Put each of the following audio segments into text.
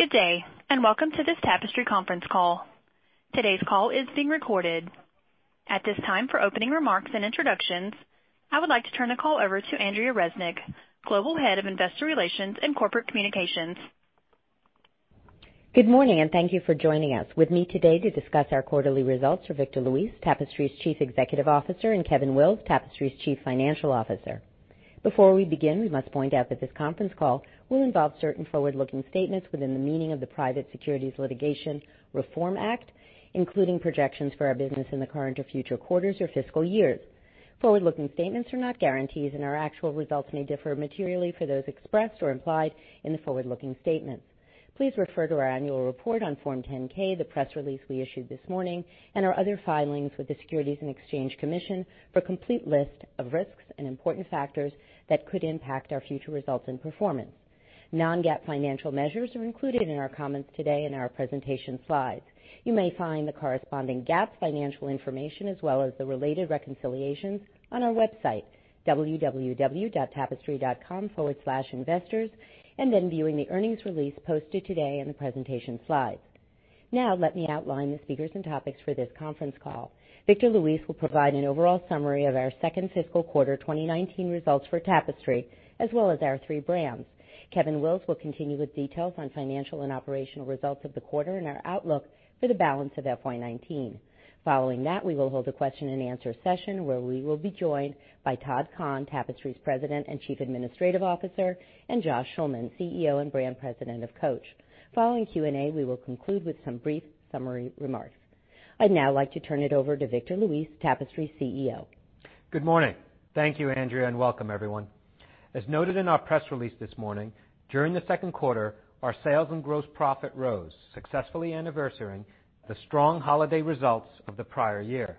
Good day, welcome to this Tapestry conference call. Today's call is being recorded. At this time, for opening remarks and introductions, I would like to turn the call over to Andrea Resnick, Global Head of Investor Relations and Corporate Communications. Good morning, thank you for joining us. With me today to discuss our quarterly results are Victor Luis, Tapestry's Chief Executive Officer, and Kevin Wills, Tapestry's Chief Financial Officer. Before we begin, we must point out that this conference call will involve certain forward-looking statements within the meaning of the Private Securities Litigation Reform Act, including projections for our business in the current or future quarters or fiscal years. Forward-looking statements are not guarantees, our actual results may differ materially for those expressed or implied in the forward-looking statements. Please refer to our annual report on Form 10-K, the press release we issued this morning, and our other filings with the Securities and Exchange Commission for a complete list of risks and important factors that could impact our future results and performance. Non-GAAP financial measures are included in our comments today and our presentation slides. You may find the corresponding GAAP financial information as well as the related reconciliations on our website, www.tapestry.com/investors, viewing the earnings release posted today and the presentation slides. Now let me outline the speakers and topics for this conference call. Victor Luis will provide an overall summary of our second fiscal quarter 2019 results for Tapestry as well as our three brands. Kevin Wills will continue with details on financial and operational results of the quarter and our outlook for the balance of FY 2019. Following that, we will hold a question-and-answer session where we will be joined by Todd Kahn, Tapestry's President and Chief Administrative Officer, and Josh Schulman, CEO and Brand President of Coach. Following Q&A, we will conclude with some brief summary remarks. I'd now like to turn it over to Victor Luis, Tapestry's CEO. Good morning. Thank you, Andrea, welcome everyone. As noted in our press release this morning, during the second quarter, our sales and gross profit rose, successfully anniversarying the strong holiday results of the prior year.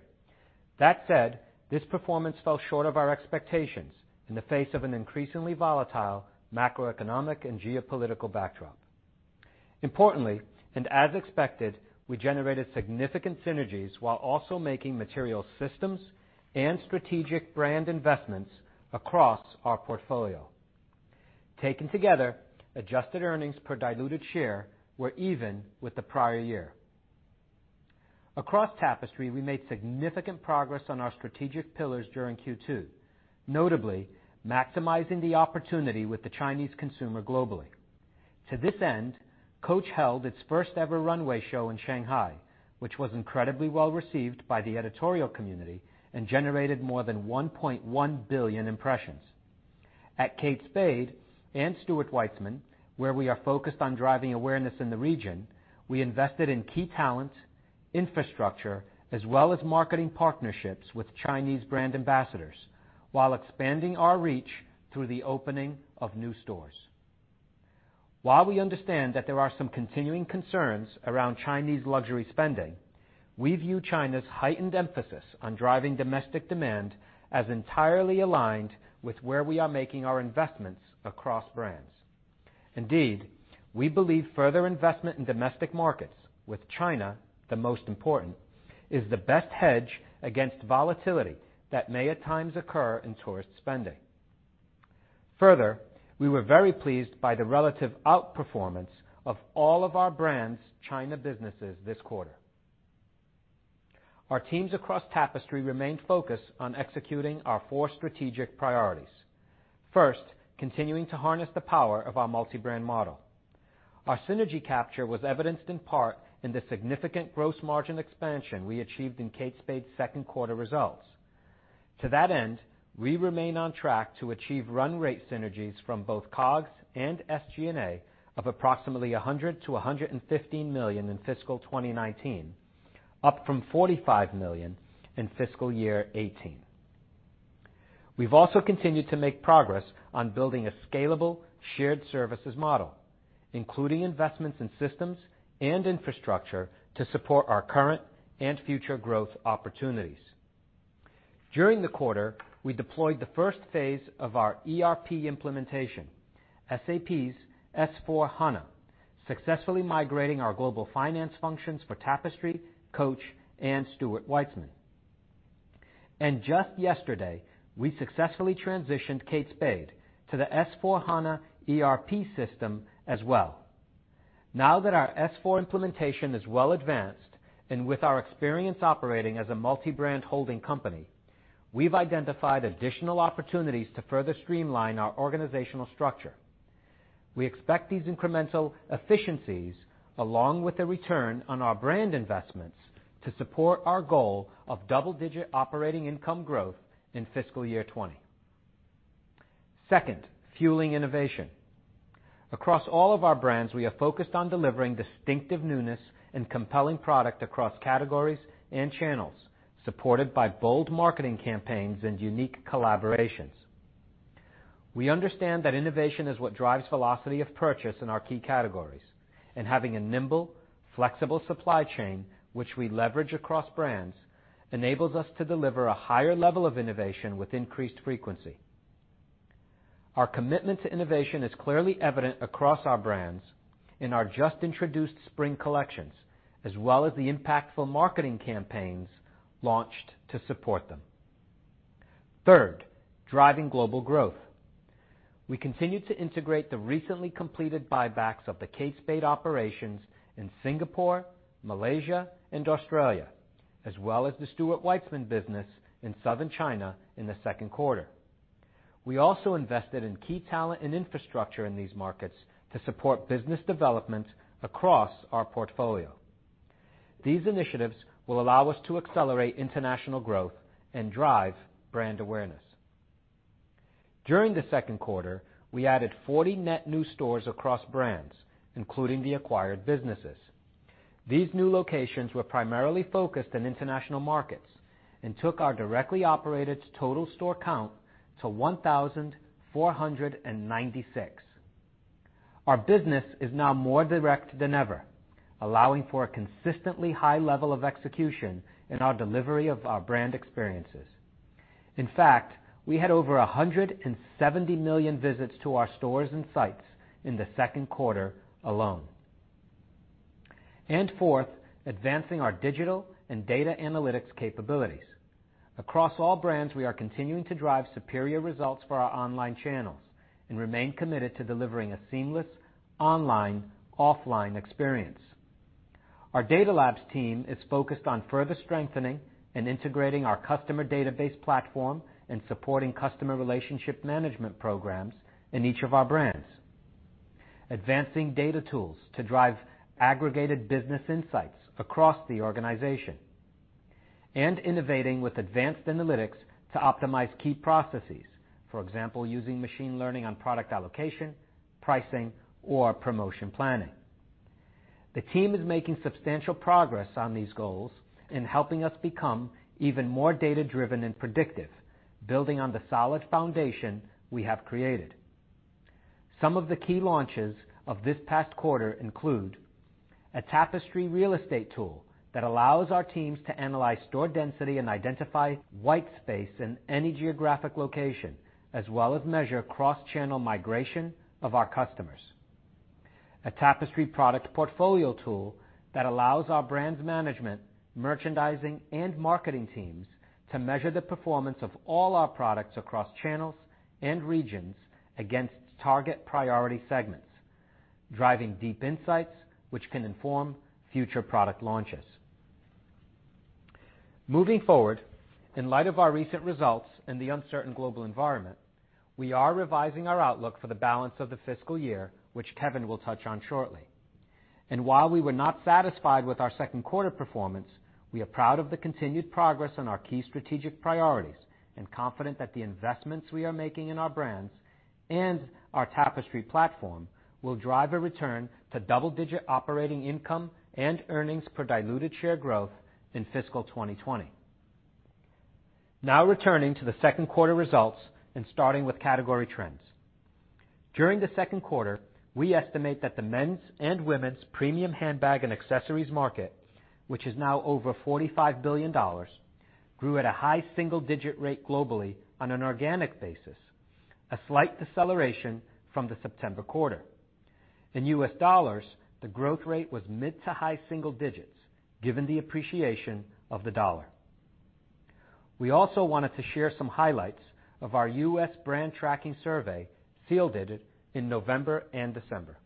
That said, this performance fell short of our expectations in the face of an increasingly volatile macroeconomic and geopolitical backdrop. Importantly, as expected, we generated significant synergies while also making material systems and strategic brand investments across our portfolio. Taken together, adjusted earnings per diluted share were even with the prior year. Across Tapestry, we made significant progress on our strategic pillars during Q2, notably maximizing the opportunity with the Chinese consumer globally. To this end, Coach held its first-ever runway show in Shanghai, which was incredibly well-received by the editorial community and generated more than 1.1 billion impressions. At Kate Spade and Stuart Weitzman, where we are focused on driving awareness in the region, we invested in key talent, infrastructure, as well as marketing partnerships with Chinese brand ambassadors while expanding our reach through the opening of new stores. While we understand that there are some continuing concerns around Chinese luxury spending, we view China's heightened emphasis on driving domestic demand as entirely aligned with where we are making our investments across brands. Indeed, we believe further investment in domestic markets, with China the most important, is the best hedge against volatility that may at times occur in tourist spending. Further, we were very pleased by the relative outperformance of all of our brands' China businesses this quarter. Our teams across Tapestry remain focused on executing our four strategic priorities. First, continuing to harness the power of our multi-brand model. Our synergy capture was evidenced in part in the significant gross margin expansion we achieved in Kate Spade's second quarter results. To that end, we remain on track to achieve run rate synergies from both COGS and SG&A of approximately $100 million-$115 million in fiscal 2019, up from $45 million in fiscal year 2018. We've also continued to make progress on building a scalable shared services model, including investments in systems and infrastructure to support our current and future growth opportunities. During the quarter, we deployed the first phase of our ERP implementation, SAP's S/4HANA, successfully migrating our global finance functions for Tapestry, Coach, and Stuart Weitzman. Just yesterday, we successfully transitioned Kate Spade to the S/4HANA ERP system as well. Now that our S/4 implementation is well advanced, with our experience operating as a multi-brand holding company, we've identified additional opportunities to further streamline our organizational structure. We expect these incremental efficiencies, along with the return on our brand investments, to support our goal of double-digit operating income growth in fiscal year 2020. Second, fueling innovation. Across all of our brands, we are focused on delivering distinctive newness and compelling product across categories and channels, supported by bold marketing campaigns and unique collaborations. We understand that innovation is what drives velocity of purchase in our key categories, and having a nimble, flexible supply chain, which we leverage across brands, enables us to deliver a higher level of innovation with increased frequency. Our commitment to innovation is clearly evident across our brands. In our just introduced spring collections, as well as the impactful marketing campaigns launched to support them. Third, driving global growth. We continued to integrate the recently completed buybacks of the Kate Spade operations in Singapore, Malaysia, and Australia, as well as the Stuart Weitzman business in Southern China in the second quarter. We also invested in key talent and infrastructure in these markets to support business development across our portfolio. These initiatives will allow us to accelerate international growth and drive brand awareness. During the second quarter, we added 40 net new stores across brands, including the acquired businesses. These new locations were primarily focused on international markets and took our directly operated total store count to 1,496. Our business is now more direct than ever, allowing for a consistently high level of execution in our delivery of our brand experiences. In fact, we had over 170 million visits to our stores and sites in the second quarter alone. Fourth, advancing our digital and data analytics capabilities. Across all brands, we are continuing to drive superior results for our online channels and remain committed to delivering a seamless online-offline experience. Our data labs team is focused on further strengthening and integrating our customer database platform and supporting customer relationship management programs in each of our brands. Advancing data tools to drive aggregated business insights across the organization, and innovating with advanced analytics to optimize key processes. For example, using machine learning on product allocation, pricing, or promotion planning. The team is making substantial progress on these goals in helping us become even more data-driven and predictive, building on the solid foundation we have created. Some of the key launches of this past quarter include a Tapestry real estate tool that allows our teams to analyze store density and identify white space in any geographic location, as well as measure cross-channel migration of our customers. A Tapestry product portfolio tool that allows our brands' management, merchandising, and marketing teams to measure the performance of all our products across channels and regions against target priority segments, driving deep insights, which can inform future product launches. Moving forward, in light of our recent results and the uncertain global environment, we are revising our outlook for the balance of the fiscal year, which Kevin will touch on shortly. While we were not satisfied with our second quarter performance, we are proud of the continued progress on our key strategic priorities and confident that the investments we are making in our brands and our Tapestry platform will drive a return to double-digit operating income and earnings per diluted share growth in fiscal 2020. Now returning to the second quarter results and starting with category trends. During the second quarter, we estimate that the men's and women's premium handbag and accessories market, which is now over $45 billion, grew at a high single-digit rate globally on an organic basis, a slight deceleration from the September quarter. In US dollars, the growth rate was mid to high single digits, given the appreciation of the dollar. We also wanted to share some highlights of our U.S. brand tracking survey, fielded in November and December.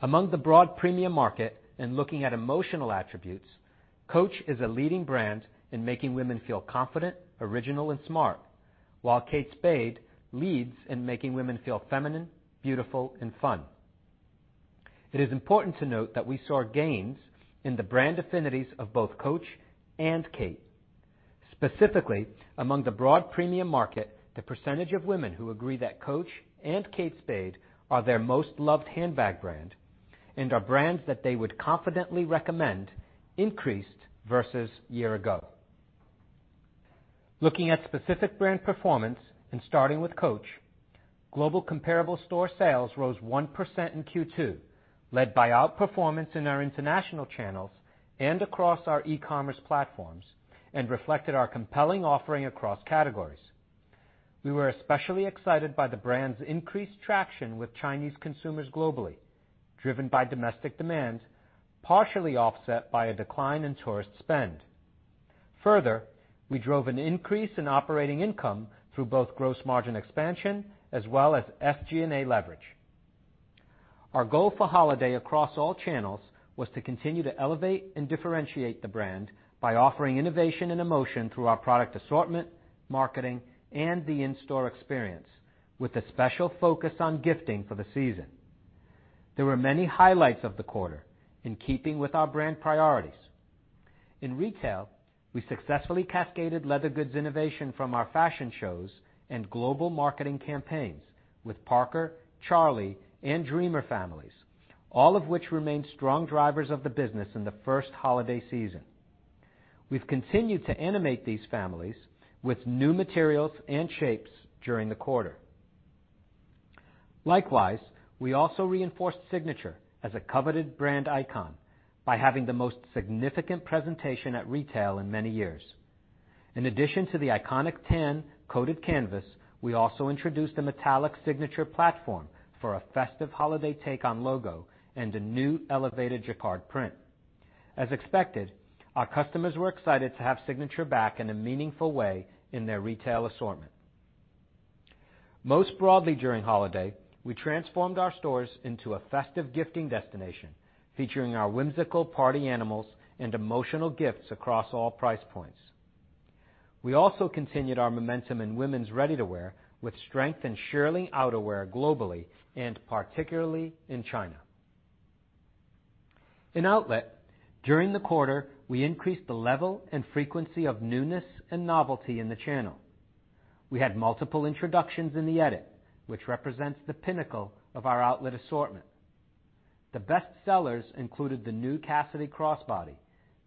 Among the broad premium market and looking at emotional attributes, Coach is a leading brand in making women feel confident, original, and smart, while Kate Spade leads in making women feel feminine, beautiful, and fun. It is important to note that we saw gains in the brand affinities of both Coach and Kate. Specifically, among the broad premium market, the percentage of women who agree that Coach and Kate Spade are their most loved handbag brand and are brands that they would confidently recommend increased versus year ago. Looking at specific brand performance and starting with Coach, global comparable store sales rose 1% in Q2, led by outperformance in our international channels and across our e-commerce platforms and reflected our compelling offering across categories. We were especially excited by the brand's increased traction with Chinese consumers globally, driven by domestic demand, partially offset by a decline in tourist spend. We drove an increase in operating income through both gross margin expansion as well as SG&A leverage. Our goal for holiday across all channels was to continue to elevate and differentiate the brand by offering innovation and emotion through our product assortment, marketing, and the in-store experience, with a special focus on gifting for the season. There were many highlights of the quarter in keeping with our brand priorities. In retail, we successfully cascaded leather goods innovation from our fashion shows and global marketing campaigns with Parker, Charlie, and Dreamer families, all of which remain strong drivers of the business in the first holiday season. We've continued to animate these families with new materials and shapes during the quarter. We also reinforced Signature as a coveted brand icon by having the most significant presentation at retail in many years. In addition to the iconic tan-coated canvas, we also introduced a metallic Signature platform for a festive holiday take on logo and a new elevated jacquard print. As expected, our customers were excited to have Signature back in a meaningful way in their retail assortment. Most broadly during holiday, we transformed our stores into a festive gifting destination, featuring our whimsical party animals and emotional gifts across all price points. We also continued our momentum in women's ready-to-wear, with strength in shearling outerwear globally, and particularly in China. In outlet, during the quarter, we increased the level and frequency of newness and novelty in the channel. We had multiple introductions in The Edit, which represents the pinnacle of our outlet assortment. The best sellers included the new Cassidy crossbody,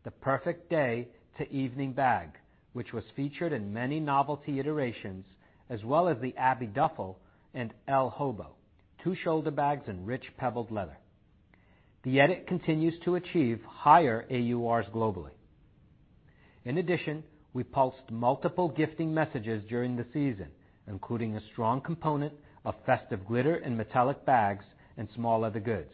the perfect day to evening bag, which was featured in many novelty iterations, as well as the Abby duffle and Elle hobo, two shoulder bags in rich pebbled leather. The Edit continues to achieve higher AURs globally. In addition, we pulsed multiple gifting messages during the season, including a strong component of festive glitter and metallic bags and small leather goods.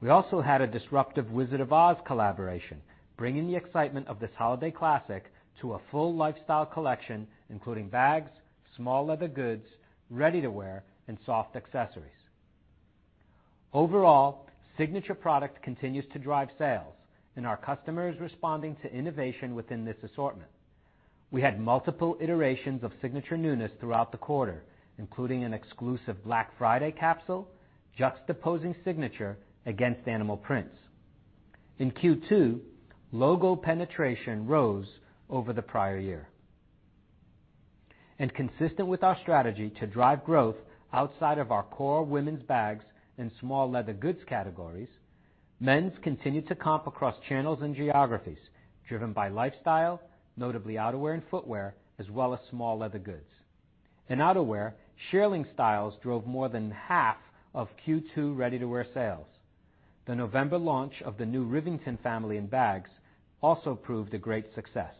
We also had a disruptive "Wizard of Oz" collaboration, bringing the excitement of this holiday classic to a full lifestyle collection, including bags, small leather goods, ready-to-wear, and soft accessories. Signature product continues to drive sales, and our customer is responding to innovation within this assortment. We had multiple iterations of Signature newness throughout the quarter, including an exclusive Black Friday capsule juxtaposing Signature against animal prints. In Q2, logo penetration rose over the prior year. Consistent with our strategy to drive growth outside of our core women's bags and small leather goods categories, men's continued to comp across channels and geographies driven by lifestyle, notably outerwear and footwear, as well as small leather goods. In outerwear, shearling styles drove more than half of Q2 ready-to-wear sales. The November launch of the new Rivington family in bags also proved a great success.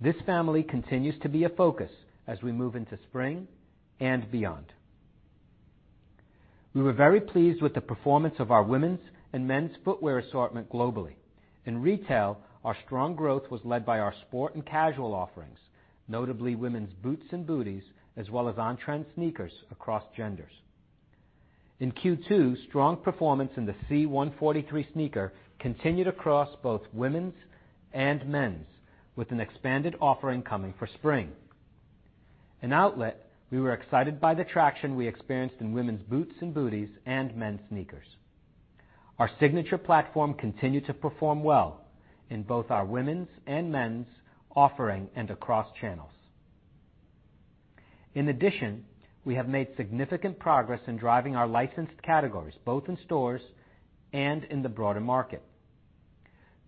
This family continues to be a focus as we move into spring and beyond. We were very pleased with the performance of our women's and men's footwear assortment globally. In retail, our strong growth was led by our sport and casual offerings, notably women's boots and booties, as well as on-trend sneakers across genders. In Q2, strong performance in the C-143 sneaker continued across both women's and men's, with an expanded offering coming for spring. In outlet, we were excited by the traction we experienced in women's boots and booties and men's sneakers. Our Signature platform continued to perform well in both our women's and men's offering and across channels. We have made significant progress in driving our licensed categories, both in stores and in the broader market.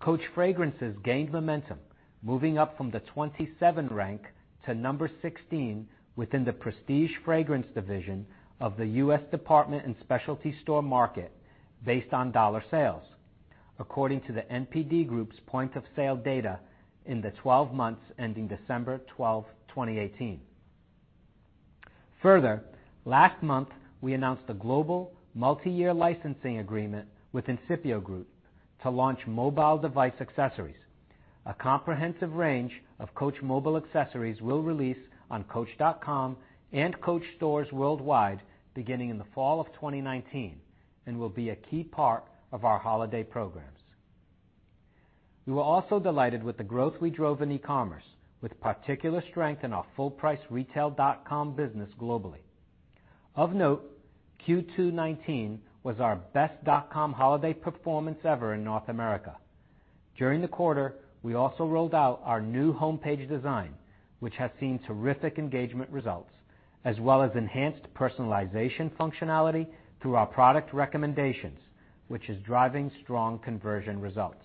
Coach fragrances gained momentum, moving up from the 27th rank to number 16 within the prestige fragrance division of the U.S. department and specialty store market based on dollar sales, according to The NPD Group's point of sale data in the 12 months ending December 12, 2018. Last month, we announced a global multi-year licensing agreement with Incipio Group to launch mobile device accessories. A comprehensive range of Coach mobile accessories will release on coach.com and Coach stores worldwide beginning in the fall of 2019 and will be a key part of our holiday programs. We were also delighted with the growth we drove in e-commerce, with particular strength in our full price retail dot com business globally. Of note, Q2 2019 was our best dot com holiday performance ever in North America. During the quarter, we also rolled out our new homepage design, which has seen terrific engagement results, as well as enhanced personalization functionality through our product recommendations, which is driving strong conversion results.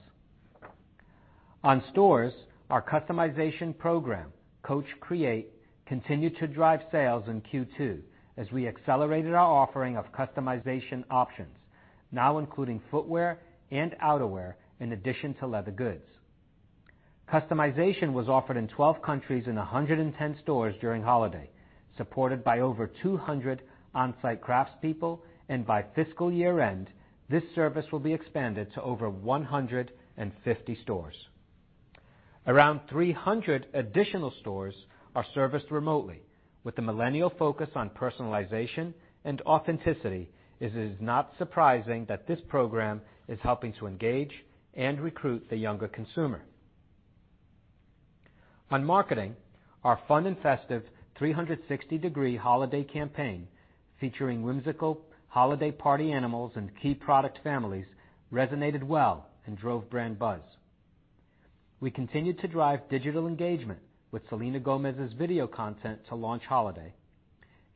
On stores, our customization program, Coach Create, continued to drive sales in Q2 as we accelerated our offering of customization options, now including footwear and outerwear in addition to leather goods. Customization was offered in 12 countries in 110 stores during holiday, supported by over 200 on-site craftspeople, and by fiscal year-end, this service will be expanded to over 150 stores. Around 300 additional stores are serviced remotely. With the millennial focus on personalization and authenticity, it is not surprising that this program is helping to engage and recruit the younger consumer. On marketing, our fun and festive 360-degree holiday campaign featuring whimsical holiday party animals and key product families resonated well and drove brand buzz. We continued to drive digital engagement with Selena Gomez's video content to launch holiday.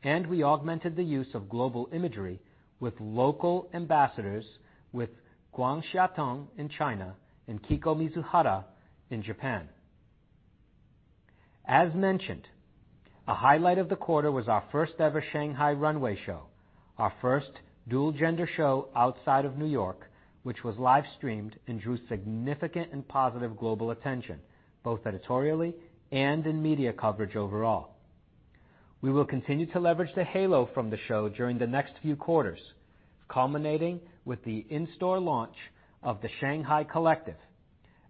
We augmented the use of global imagery with local ambassadors with Guan Xiaotong in China and Kiko Mizuhara in Japan. As mentioned, a highlight of the quarter was our first-ever Shanghai runway show, our first dual-gender show outside of New York, which was live-streamed and drew significant and positive global attention, both editorially and in media coverage overall. We will continue to leverage the halo from the show during the next few quarters, culminating with the in-store launch of the Shanghai Collective,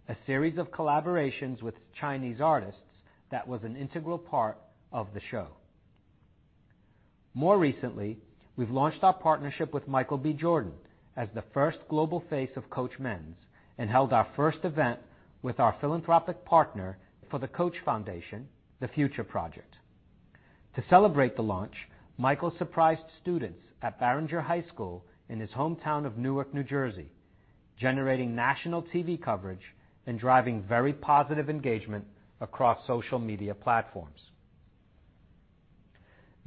a series of collaborations with Chinese artists that was an integral part of the show. We've launched our partnership with Michael B. Jordan as the first global face of Coach Men's and held our first event with our philanthropic partner for the Coach Foundation, The Future Project. To celebrate the launch, Michael surprised students at Barringer High School in his hometown of Newark, New Jersey, generating national TV coverage and driving very positive engagement across social media platforms.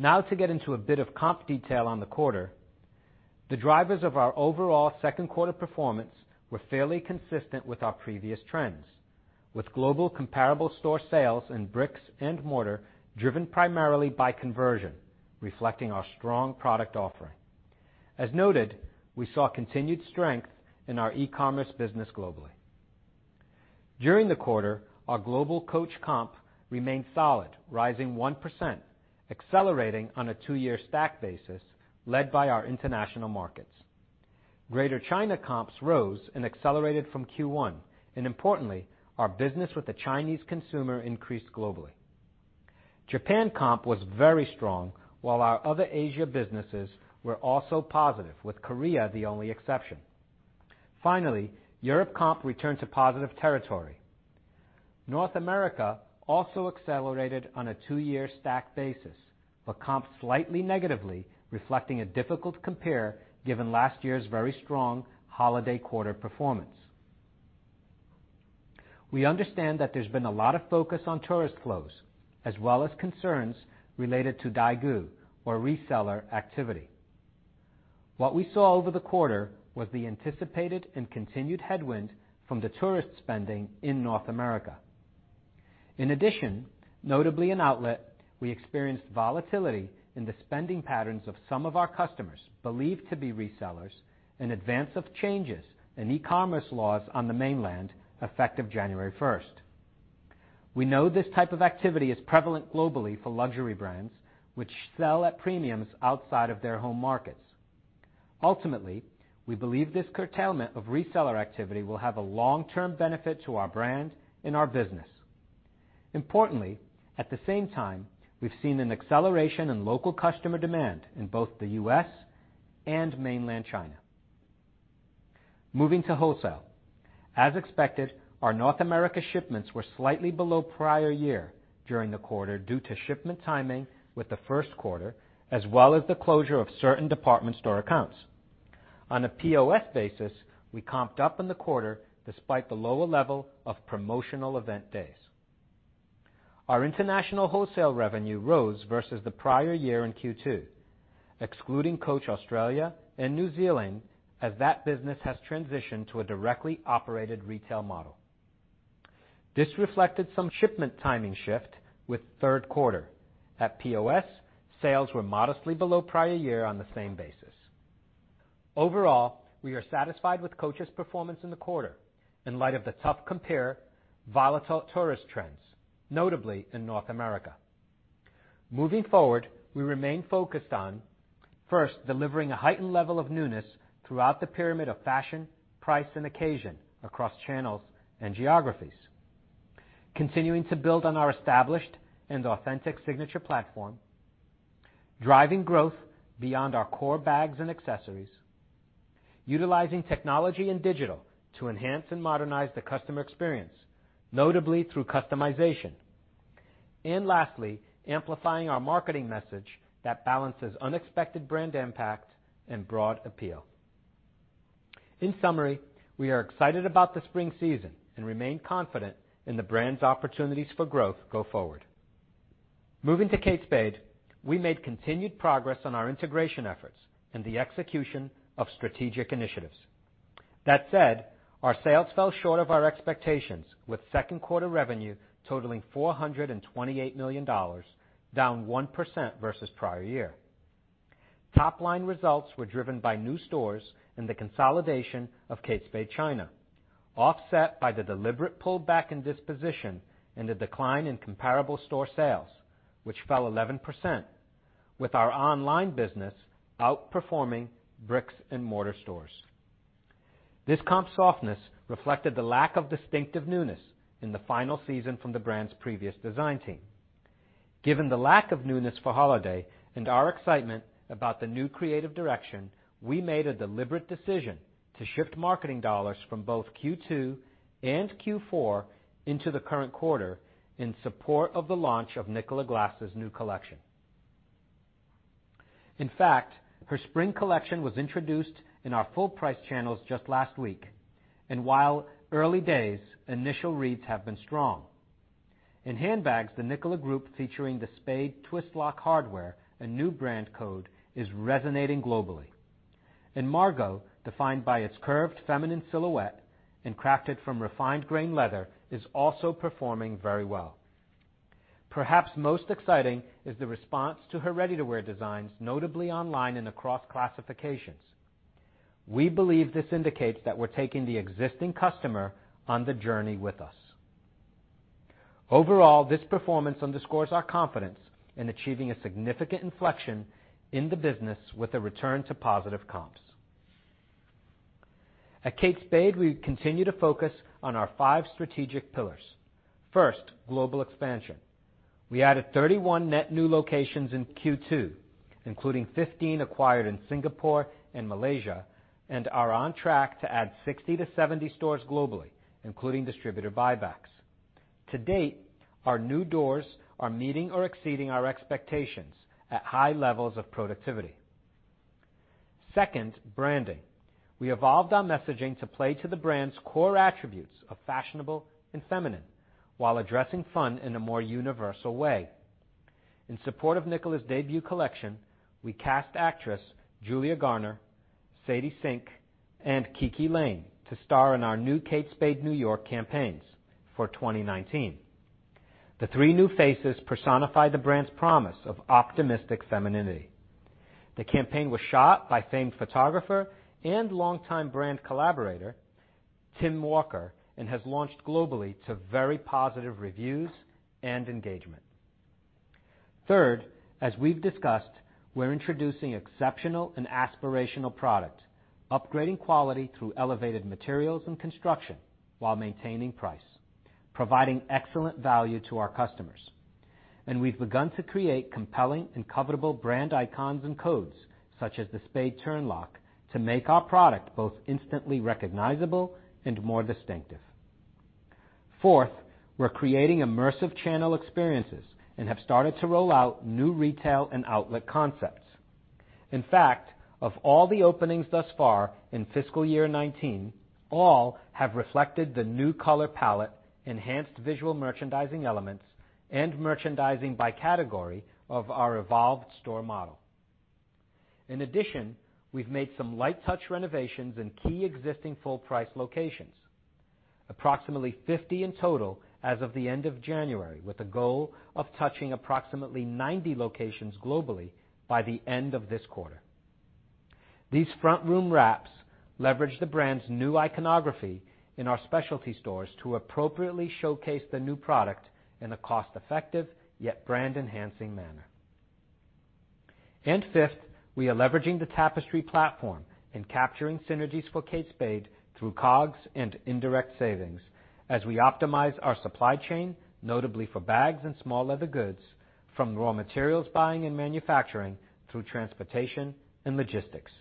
To get into a bit of comp detail on the quarter. The drivers of our overall second quarter performance were fairly consistent with our previous trends, with global comparable store sales in bricks and mortar driven primarily by conversion, reflecting our strong product offering. As noted, we saw continued strength in our e-commerce business globally. During the quarter, our global Coach comp remained solid, rising 1%, accelerating on a two-year stack basis led by our international markets. Greater China comps rose and accelerated from Q1, and importantly, our business with the Chinese consumer increased globally. Japan comp was very strong, while our other Asia businesses were also positive, with Korea the only exception. Europe comp returned to positive territory. North America also accelerated on a two-year stack basis, but comped slightly negatively, reflecting a difficult compare given last year's very strong holiday quarter performance. We understand that there's been a lot of focus on tourist flows, as well as concerns related to daigou, or reseller activity. What we saw over the quarter was the anticipated and continued headwind from the tourist spending in North America. In addition, notably in outlet, we experienced volatility in the spending patterns of some of our customers believed to be resellers in advance of changes in e-commerce laws on the mainland effective January 1st. We know this type of activity is prevalent globally for luxury brands, which sell at premiums outside of their home markets. Ultimately, we believe this curtailment of reseller activity will have a long-term benefit to our brand and our business. At the same time, we've seen an acceleration in local customer demand in both the U.S. and mainland China. Moving to wholesale. As expected, our North America shipments were slightly below prior year during the quarter due to shipment timing with the first quarter, as well as the closure of certain department store accounts. On a POS basis, we comped up in the quarter despite the lower level of promotional event days. Our international wholesale revenue rose versus the prior year in Q2, excluding Coach Australia and New Zealand, as that business has transitioned to a directly operated retail model. This reflected some shipment timing shift with third quarter. At POS, sales were modestly below prior year on the same basis. Overall, we are satisfied with Coach's performance in the quarter in light of the tough compare volatile tourist trends, notably in North America. We remain focused on, first, delivering a heightened level of newness throughout the pyramid of fashion, price, and occasion across channels and geographies, continuing to build on our established and authentic Signature platform, driving growth beyond our core bags and accessories, utilizing technology and digital to enhance and modernize the customer experience, notably through customization, and lastly, amplifying our marketing message that balances unexpected brand impact and broad appeal. We are excited about the spring season and remain confident in the brand's opportunities for growth go forward. Moving to Kate Spade, we made continued progress on our integration efforts and the execution of strategic initiatives. That said, our sales fell short of our expectations, with second quarter revenue totaling $428 million, down 1% versus prior year. Top-line results were driven by new stores and the consolidation of Kate Spade China, offset by the deliberate pull-back and disposition and a decline in comparable store sales, which fell 11%, with our online business outperforming bricks-and-mortar stores. This comp softness reflected the lack of distinctive newness in the final season from the brand's previous design team. Given the lack of newness for holiday and our excitement about the new creative direction, we made a deliberate decision to shift marketing dollars from both Q2 and Q4 into the current quarter in support of the launch of Nicola Glass' new collection. In fact, her spring collection was introduced in our full-price channels just last week. While early days, initial reads have been strong. In handbags, the Nicola group, featuring the spade twist lock hardware and new brand code, is resonating globally. Margot, defined by its curved feminine silhouette and crafted from refined grain leather, is also performing very well. Perhaps most exciting is the response to her ready-to-wear designs, notably online in the cross-classifications. We believe this indicates that we're taking the existing customer on the journey with us. Overall, this performance underscores our confidence in achieving a significant inflection in the business with a return to positive comps. At Kate Spade, we continue to focus on our five strategic pillars. First, global expansion. We added 31 net new locations in Q2, including 15 acquired in Singapore and Malaysia, and are on track to add 60 to 70 stores globally, including distributor buybacks. To date, our new doors are meeting or exceeding our expectations at high levels of productivity. Second, branding. We evolved our messaging to play to the brand's core attributes of fashionable and feminine while addressing fun in a more universal way. In support of Nicola's debut collection, we cast actress Julia Garner, Sadie Sink, and Kiki Layne to star in our new Kate Spade New York campaigns for 2019. The three new faces personify the brand's promise of optimistic femininity. The campaign was shot by famed photographer and longtime brand collaborator Tim Walker, and has launched globally to very positive reviews and engagement. Third, as we've discussed, we're introducing exceptional and aspirational product, upgrading quality through elevated materials and construction while maintaining price, providing excellent value to our customers. We've begun to create compelling and covetable brand icons and codes, such as the spade turn lock, to make our product both instantly recognizable and more distinctive. Fourth, we're creating immersive channel experiences and have started to roll out new retail and outlet concepts. In fact, of all the openings thus far in fiscal year 2019, all have reflected the new color palette, enhanced visual merchandising elements, and merchandising by category of our evolved store model. In addition, we've made some light-touch renovations in key existing full-price locations. Approximately 50 in total as of the end of January, with a goal of touching approximately 90 locations globally by the end of this quarter. These front-room wraps leverage the brand's new iconography in our specialty stores to appropriately showcase the new product in a cost-effective yet brand-enhancing manner. Fifth, we are leveraging the Tapestry platform in capturing synergies for Kate Spade through COGS and indirect savings as we optimize our supply chain, notably for bags and small leather goods, from raw materials buying and manufacturing through transportation and logistics.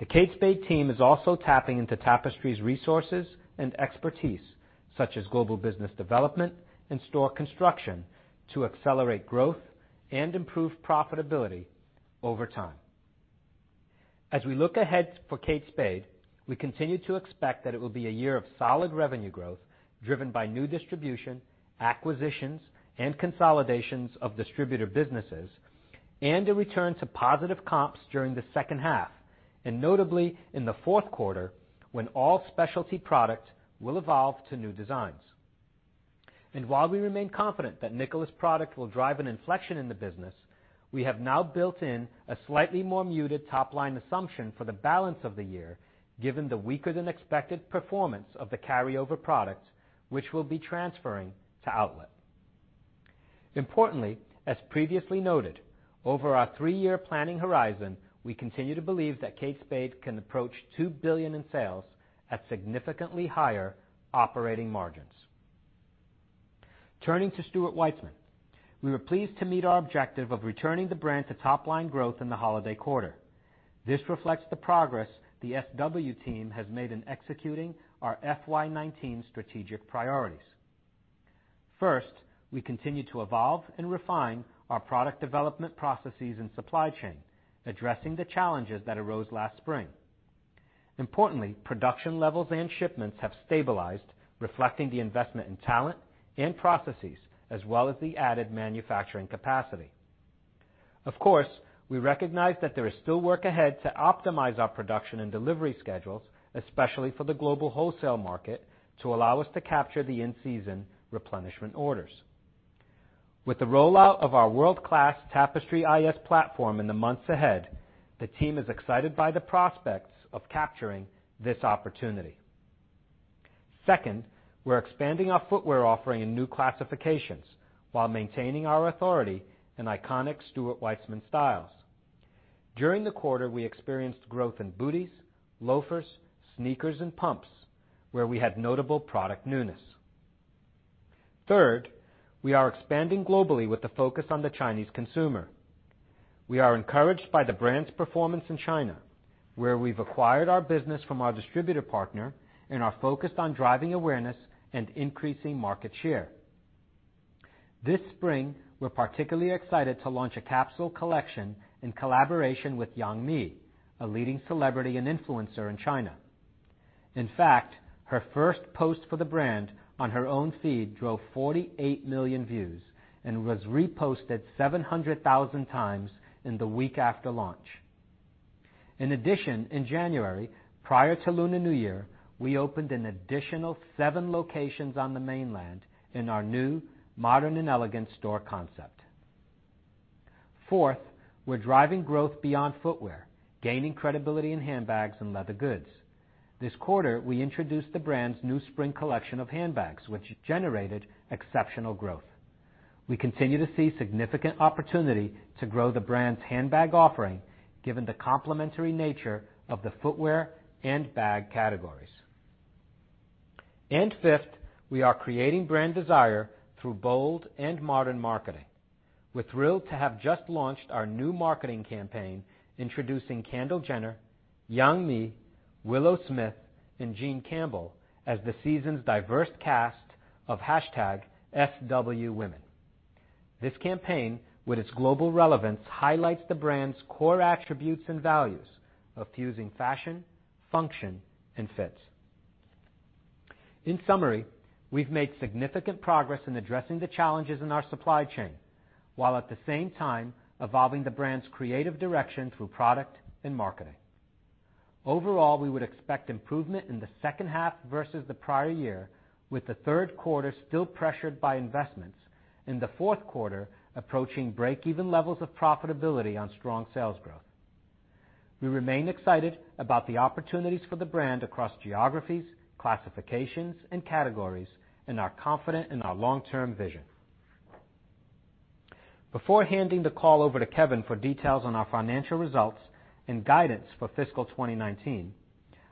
The Kate Spade team is also tapping into Tapestry's resources and expertise, such as global business development and store construction, to accelerate growth and improve profitability over time. As we look ahead for Kate Spade, we continue to expect that it will be a year of solid revenue growth driven by new distribution, acquisitions, and consolidations of distributor businesses, and a return to positive comps during the second half, and notably in the fourth quarter when all specialty product will evolve to new designs. While we remain confident that Nicola's product will drive an inflection in the business, we have now built in a slightly more muted top-line assumption for the balance of the year given the weaker-than-expected performance of the carryover products which will be transferring to outlet. Importantly, as previously noted, over our three-year planning horizon, we continue to believe that Kate Spade can approach $2 billion in sales at significantly higher operating margins. Turning to Stuart Weitzman, we were pleased to meet our objective of returning the brand to top-line growth in the holiday quarter. This reflects the progress the SW team has made in executing our FY 2019 strategic priorities. First, we continue to evolve and refine our product development processes and supply chain, addressing the challenges that arose last spring. Importantly, production levels and shipments have stabilized, reflecting the investment in talent and processes as well as the added manufacturing capacity. Of course, we recognize that there is still work ahead to optimize our production and delivery schedules, especially for the global wholesale market, to allow us to capture the in-season replenishment orders. With the rollout of our world-class Tapestry IS platform in the months ahead, the team is excited by the prospects of capturing this opportunity. Second, we're expanding our footwear offering in new classifications while maintaining our authority in iconic Stuart Weitzman styles. During the quarter, we experienced growth in booties, loafers, sneakers, and pumps where we had notable product newness. Third, we are expanding globally with a focus on the Chinese consumer. We are encouraged by the brand's performance in China, where we've acquired our business from our distributor partner and are focused on driving awareness and increasing market share. This spring, we're particularly excited to launch a capsule collection in collaboration with Yang Li, a leading celebrity and influencer in China. In fact, her first post for the brand on her own feed drove 48 million views and was reposted 700,000 times in the week after launch. In addition, in January, prior to Lunar New Year, we opened an additional seven locations on the mainland in our new modern and elegant store concept. Fourth, we're driving growth beyond footwear, gaining credibility in handbags and leather goods. This quarter, we introduced the brand's new spring collection of handbags, which generated exceptional growth. We continue to see significant opportunity to grow the brand's handbag offering given the complementary nature of the footwear and bag categories. Fifth, we are creating brand desire through bold and modern marketing. We're thrilled to have just launched our new marketing campaign introducing Kendall Jenner, Yang Mi, Willow Smith, and Jean Campbell as the season's diverse cast of #SWWomen. This campaign, with its global relevance, highlights the brand's core attributes and values of fusing fashion, function, and fits. In summary, we've made significant progress in addressing the challenges in our supply chain, while at the same time evolving the brand's creative direction through product and marketing. Overall, we would expect improvement in the second half versus the prior year, with the third quarter still pressured by investments, and the fourth quarter approaching break-even levels of profitability on strong sales growth. We remain excited about the opportunities for the brand across geographies, classifications, and categories, and are confident in our long-term vision. Before handing the call over to Kevin for details on our financial results and guidance for fiscal 2019,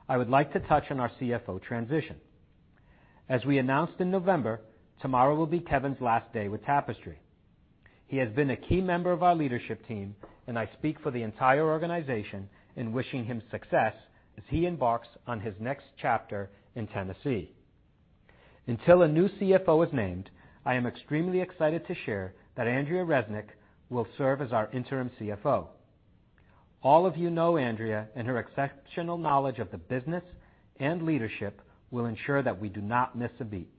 I would like to touch on our CFO transition. As we announced in November, tomorrow will be Kevin's last day with Tapestry. He has been a key member of our leadership team, and I speak for the entire organization in wishing him success as he embarks on his next chapter in Tennessee. Until a new CFO is named, I am extremely excited to share that Andrea Resnick will serve as our interim CFO. All of you know Andrea and her exceptional knowledge of the business and leadership will ensure that we do not miss a beat.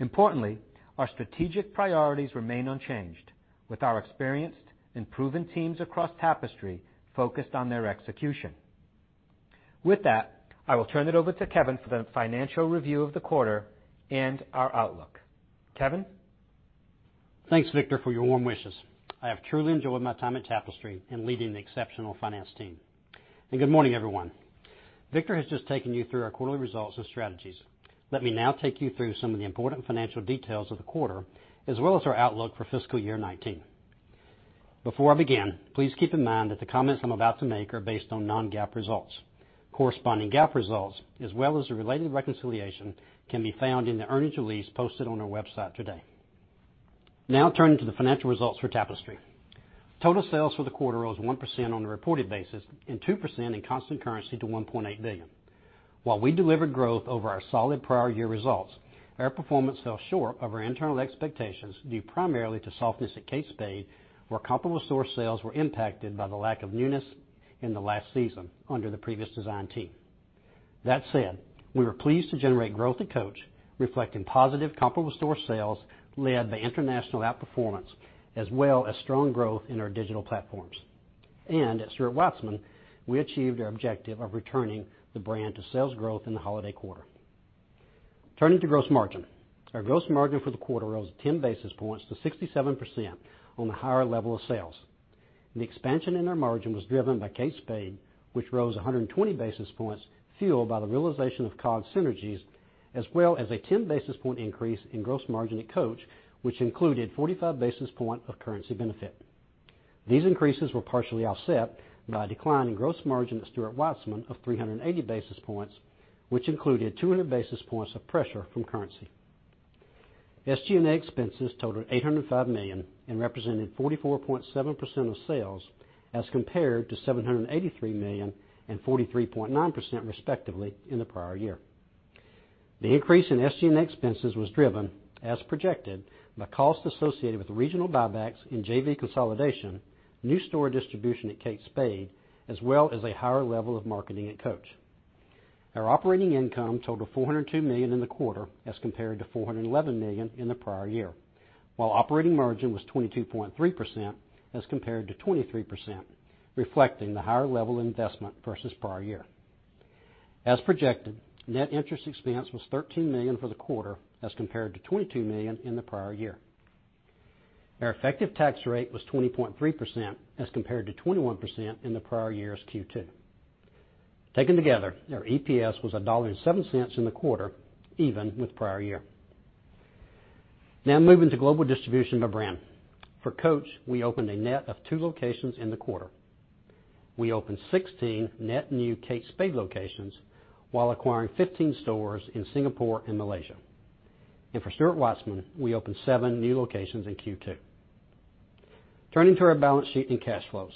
Importantly, our strategic priorities remain unchanged, with our experienced and proven teams across Tapestry focused on their execution. With that, I will turn it over to Kevin for the financial review of the quarter and our outlook. Kevin? Thanks, Victor, for your warm wishes. I have truly enjoyed my time at Tapestry and leading the exceptional finance team. Good morning, everyone. Victor has just taken you through our quarterly results and strategies. Let me now take you through some of the important financial details of the quarter, as well as our outlook for fiscal year 2019. Before I begin, please keep in mind that the comments I'm about to make are based on non-GAAP results. Corresponding GAAP results, as well as the related reconciliation, can be found in the earnings release posted on our website today. Now turning to the financial results for Tapestry. Total sales for the quarter rose 1% on a reported basis and 2% in constant currency to $1.8 billion. While we delivered growth over our solid prior year results, our performance fell short of our internal expectations due primarily to softness at Kate Spade, where comparable store sales were impacted by the lack of newness in the last season under the previous design team. That said, we were pleased to generate growth at Coach, reflecting positive comparable store sales led by international outperformance, as well as strong growth in our digital platforms. At Stuart Weitzman, we achieved our objective of returning the brand to sales growth in the holiday quarter. Turning to gross margin. Our gross margin for the quarter rose 10 basis points to 67% on the higher level of sales. The expansion in our margin was driven by Kate Spade, which rose 120 basis points, fueled by the realization of COGS synergies, as well as a 10 basis point increase in gross margin at Coach, which included 45 basis points of currency benefit. These increases were partially offset by a decline in gross margin at Stuart Weitzman of 380 basis points, which included 200 basis points of pressure from currency. SG&A expenses totaled $805 million and represented 44.7% of sales as compared to $783 million and 43.9%, respectively, in the prior year. The increase in SG&A expenses was driven, as projected, by cost associated with regional buybacks in JV consolidation, new store distribution at Kate Spade, as well as a higher level of marketing at Coach. Our operating income totaled $402 million in the quarter as compared to $411 million in the prior year. Operating margin was 22.3% as compared to 23%, reflecting the higher level investment versus prior year. As projected, net interest expense was $13 million for the quarter as compared to $22 million in the prior year. Our effective tax rate was 20.3% as compared to 21% in the prior year's Q2. Taken together, our EPS was $1.70 in the quarter, even with prior year. Now moving to global distribution by brand. For Coach, we opened a net of two locations in the quarter. We opened 16 net new Kate Spade locations while acquiring 15 stores in Singapore and Malaysia. For Stuart Weitzman, we opened seven new locations in Q2. Turning to our balance sheet and cash flows.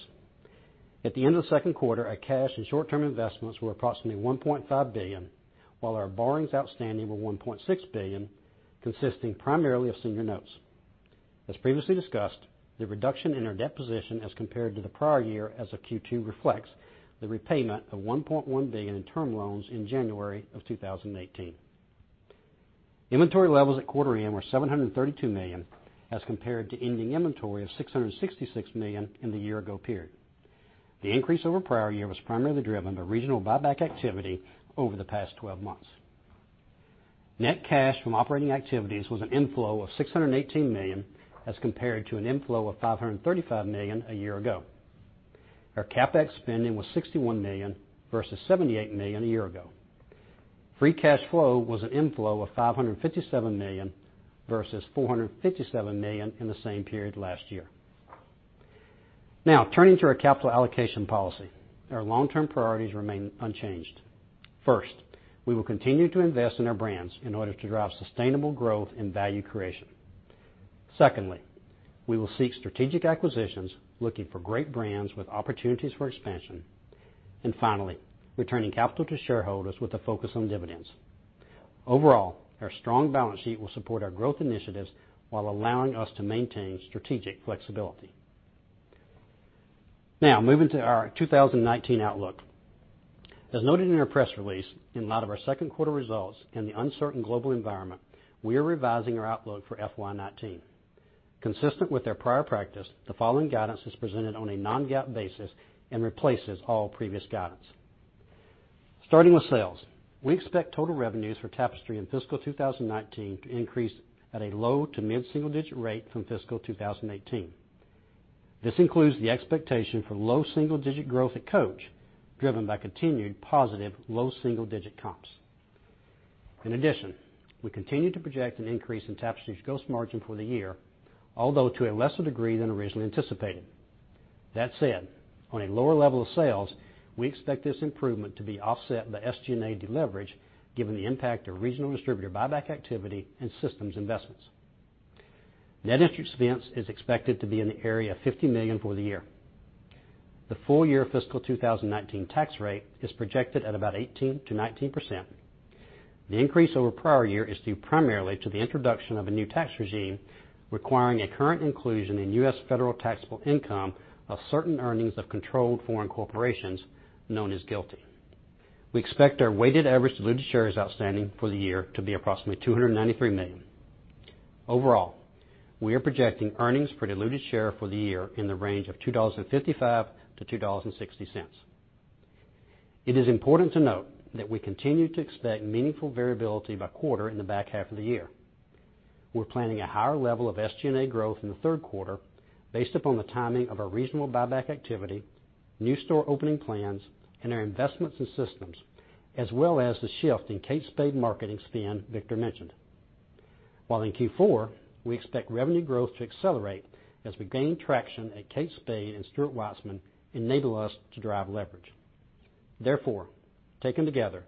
At the end of the second quarter, our cash and short-term investments were approximately $1.5 billion, while our borrowings outstanding were $1.6 billion, consisting primarily of senior notes. As previously discussed, the reduction in our debt position as compared to the prior year as of Q2 reflects the repayment of $1.1 billion in term loans in January of 2018. Inventory levels at quarter end were $732 million as compared to ending inventory of $666 million in the year-ago period. The increase over prior year was primarily driven by regional buyback activity over the past 12 months. Net cash from operating activities was an inflow of $618 million as compared to an inflow of $535 million a year ago. Our CapEx spending was $61 million versus $78 million a year ago. Free cash flow was an inflow of $557 million versus $457 million in the same period last year. Turning to our capital allocation policy. Our long-term priorities remain unchanged. First, we will continue to invest in our brands in order to drive sustainable growth and value creation. Secondly, we will seek strategic acquisitions, looking for great brands with opportunities for expansion. Finally, returning capital to shareholders with a focus on dividends. Overall, our strong balance sheet will support our growth initiatives while allowing us to maintain strategic flexibility. Moving to our 2019 outlook. As noted in our press release, in light of our second quarter results and the uncertain global environment, we are revising our outlook for FY 2019. Consistent with their prior practice, the following guidance is presented on a non-GAAP basis and replaces all previous guidance. Starting with sales, we expect total revenues for Tapestry in fiscal 2019 to increase at a low- to mid-single-digit rate from fiscal 2018. This includes the expectation for low single-digit growth at Coach, driven by continued positive low single-digit comps. In addition, we continue to project an increase in Tapestry's gross margin for the year, although to a lesser degree than originally anticipated. That said, on a lower level of sales, we expect this improvement to be offset by SG&A deleverage given the impact of regional distributor buyback activity and systems investments. Net interest expense is expected to be in the area of $50 million for the year. The full-year fiscal 2019 tax rate is projected at about 18%-19%. The increase over prior year is due primarily to the introduction of a new tax regime requiring a current inclusion in U.S. federal taxable income of certain earnings of controlled foreign corporations known as GILTI. We expect our weighted average diluted shares outstanding for the year to be approximately 293 million. Overall, we are projecting earnings per diluted share for the year in the range of $2.55-$2.60. It is important to note that we continue to expect meaningful variability by quarter in the back half of the year. We're planning a higher level of SG&A growth in the third quarter based upon the timing of our regional buyback activity, new store opening plans, and our investments in systems, as well as the shift in Kate Spade marketing spend Victor mentioned. While in Q4, we expect revenue growth to accelerate as we gain traction at Kate Spade and Stuart Weitzman enable us to drive leverage. Taken together,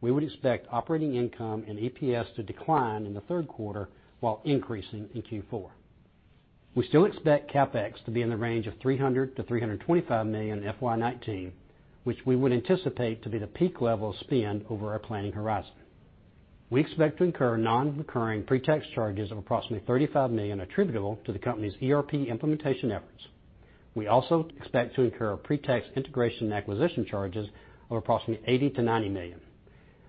we would expect operating income and EPS to decline in the third quarter while increasing in Q4. We still expect CapEx to be in the range of $300 million-$325 million in FY 2019, which we would anticipate to be the peak level of spend over our planning horizon. We expect to incur non-recurring pre-tax charges of approximately $35 million attributable to the company's ERP implementation efforts. We also expect to incur pre-tax integration and acquisition charges of approximately $80 million-$90 million.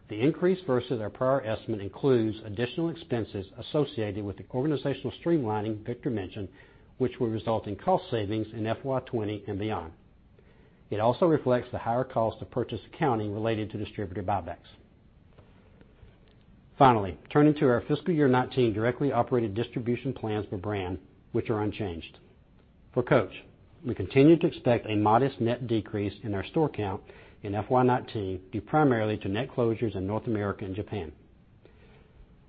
The increase versus our prior estimate includes additional expenses associated with the organizational streamlining Victor mentioned, which will result in cost savings in FY 2020 and beyond. It also reflects the higher cost to purchase accounting related to distributor buybacks. Turning to our fiscal year 2019 directly operated distribution plans by brand, which are unchanged. For Coach, we continue to expect a modest net decrease in our store count in FY 2019, due primarily to net closures in North America and Japan.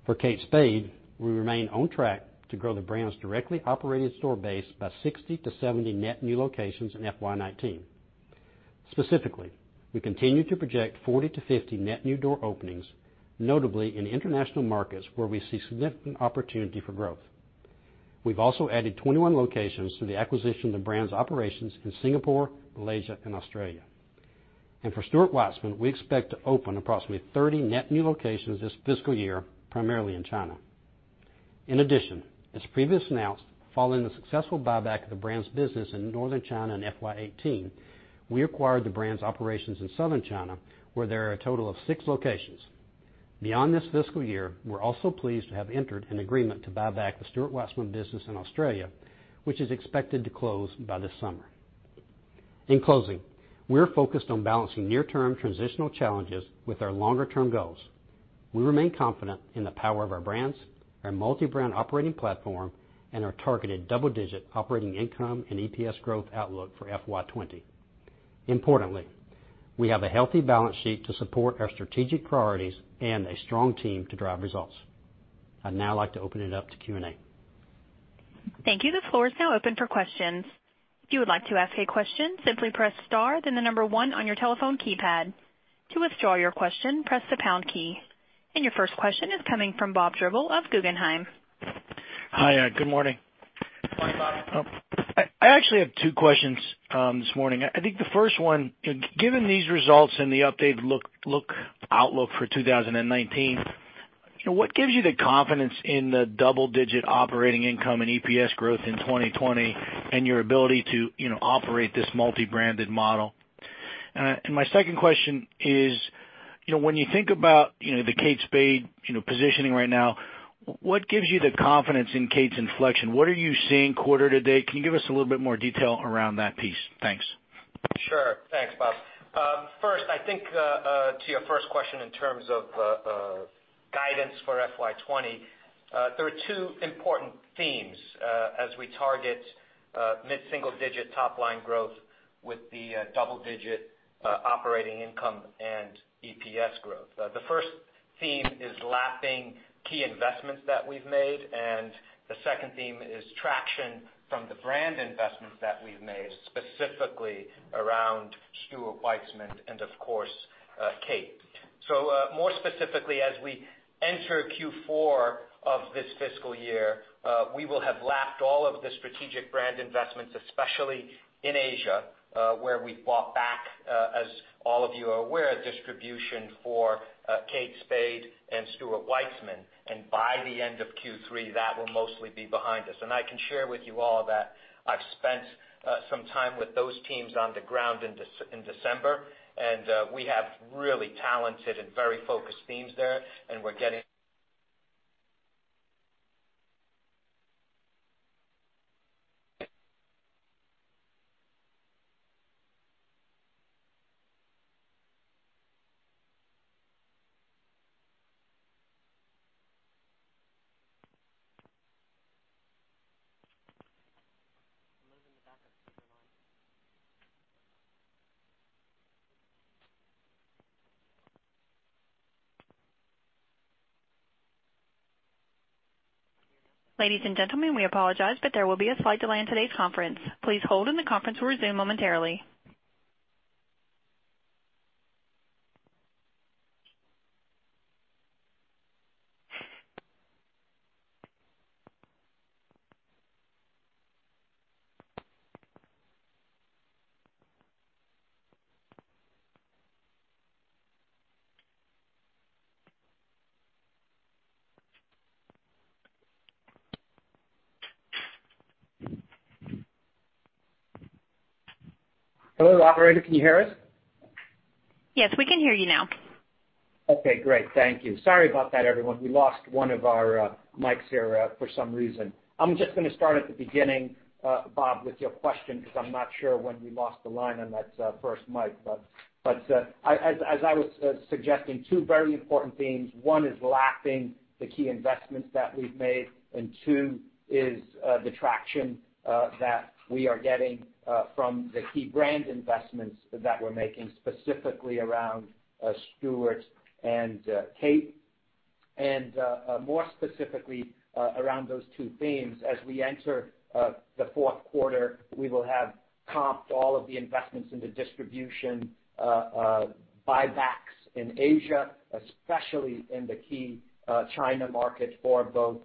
For Kate Spade, we remain on track to grow the brand's directly operated store base by 60-70 net new locations in FY 2019. Specifically, we continue to project 40-50 net new door openings, notably in international markets where we see significant opportunity for growth. We've also added 21 locations through the acquisition of the brand's operations in Singapore, Malaysia, and Australia. For Stuart Weitzman, we expect to open approximately 30 net new locations this fiscal year, primarily in China. In addition, as previously announced, following the successful buyback of the brand's business in Northern China in FY 2018, we acquired the brand's operations in Southern China, where there are a total of six locations. Beyond this fiscal year, we're also pleased to have entered an agreement to buy back the Stuart Weitzman business in Australia, which is expected to close by this summer. In closing, we're focused on balancing near-term transitional challenges with our longer-term goals. We remain confident in the power of our brands, our multi-brand operating platform, and our targeted double-digit operating income and EPS growth outlook for FY 2020. Importantly, we have a healthy balance sheet to support our strategic priorities and a strong team to drive results. I'd now like to open it up to Q&A. Thank you. The floor is now open for questions. If you would like to ask a question, simply press star then the number one on your telephone keypad. To withdraw your question, press the pound key. Your first question is coming from Bob Drbul of Guggenheim. Hi, good morning. Good morning, Bob. I actually have two questions this morning. I think the first one, given these results and the updated outlook for 2019, what gives you the confidence in the double-digit operating income and EPS growth in 2020 and your ability to operate this multi-branded model? My second question is, when you think about the Kate Spade positioning right now, what gives you the confidence in Kate's inflection? What are you seeing quarter to date? Can you give us a little bit more detail around that piece? Thanks. Sure. Thanks, Bob. First, I think to your first question in terms of guidance for FY 2020, there are two important themes as we target mid-single digit top-line growth with the double-digit operating income and EPS growth. The first theme is lapping key investments that we've made, the second theme is traction from the brand investments that we've made, specifically around Stuart Weitzman and of course, Kate. More specifically, as we enter Q4 of this fiscal year, we will have lapped all of the strategic brand investments, especially in Asia, where we bought back, as all of you are aware, distribution for Kate Spade and Stuart Weitzman. By the end of Q3, that will mostly be behind us. I can share with you all that I've spent some time with those teams on the ground in December, we have really talented and very focused teams there, we're getting I'm moving the backup to the line. Ladies and gentlemen, we apologize, but there will be a slight delay in today's conference. Please hold and the conference will resume momentarily. Hello, operator, can you hear us? Yes, we can hear you now. Okay, great. Thank you. Sorry about that, everyone. We lost one of our mics here for some reason. I'm just going to start at the beginning, Bob, with your question because I'm not sure when we lost the line on that first mic. As I was suggesting, two very important themes. One is lapping the key investments that we've made, and two is the traction that we are getting from the key brand investments that we're making, specifically around Stuart and Kate. More specifically around those two themes, as we enter the fourth quarter, we will have comped all of the investments into distribution buybacks in Asia, especially in the key China market for both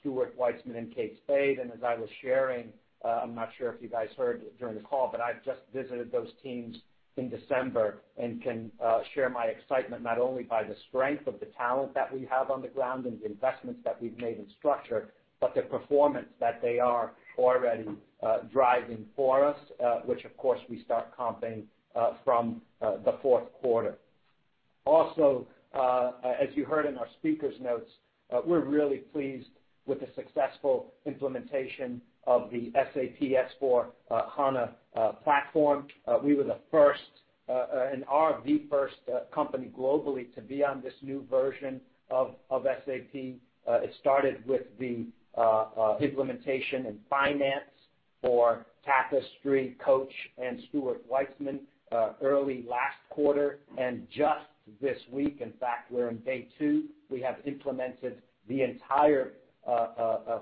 Stuart Weitzman and Kate Spade. As I was sharing, I'm not sure if you guys heard during the call, but I've just visited those teams in December and can share my excitement, not only by the strength of the talent that we have on the ground and the investments that we've made in structure, but the performance that they are already driving for us which of course we start comping from the fourth quarter. Also, as you heard in our speaker's notes, we're really pleased with the successful implementation of the SAP S/4HANA platform. We were the first, and are the first company globally to be on this new version of SAP. It started with the implementation in finance for Tapestry, Coach, and Stuart Weitzman early last quarter. Just this week, in fact, we're in day two, we have implemented the entire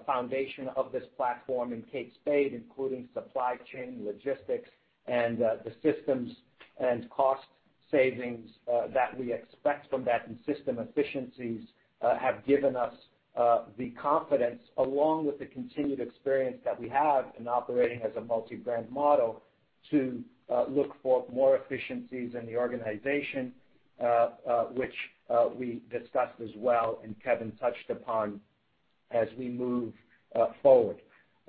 foundation of this platform in Kate Spade, including supply chain logistics and the systems and cost savings that we expect from that. System efficiencies have given us the confidence, along with the continued experience that we have in operating as a multi-brand model, to look for more efficiencies in the organization, which we discussed as well, and Kevin touched upon as we move forward.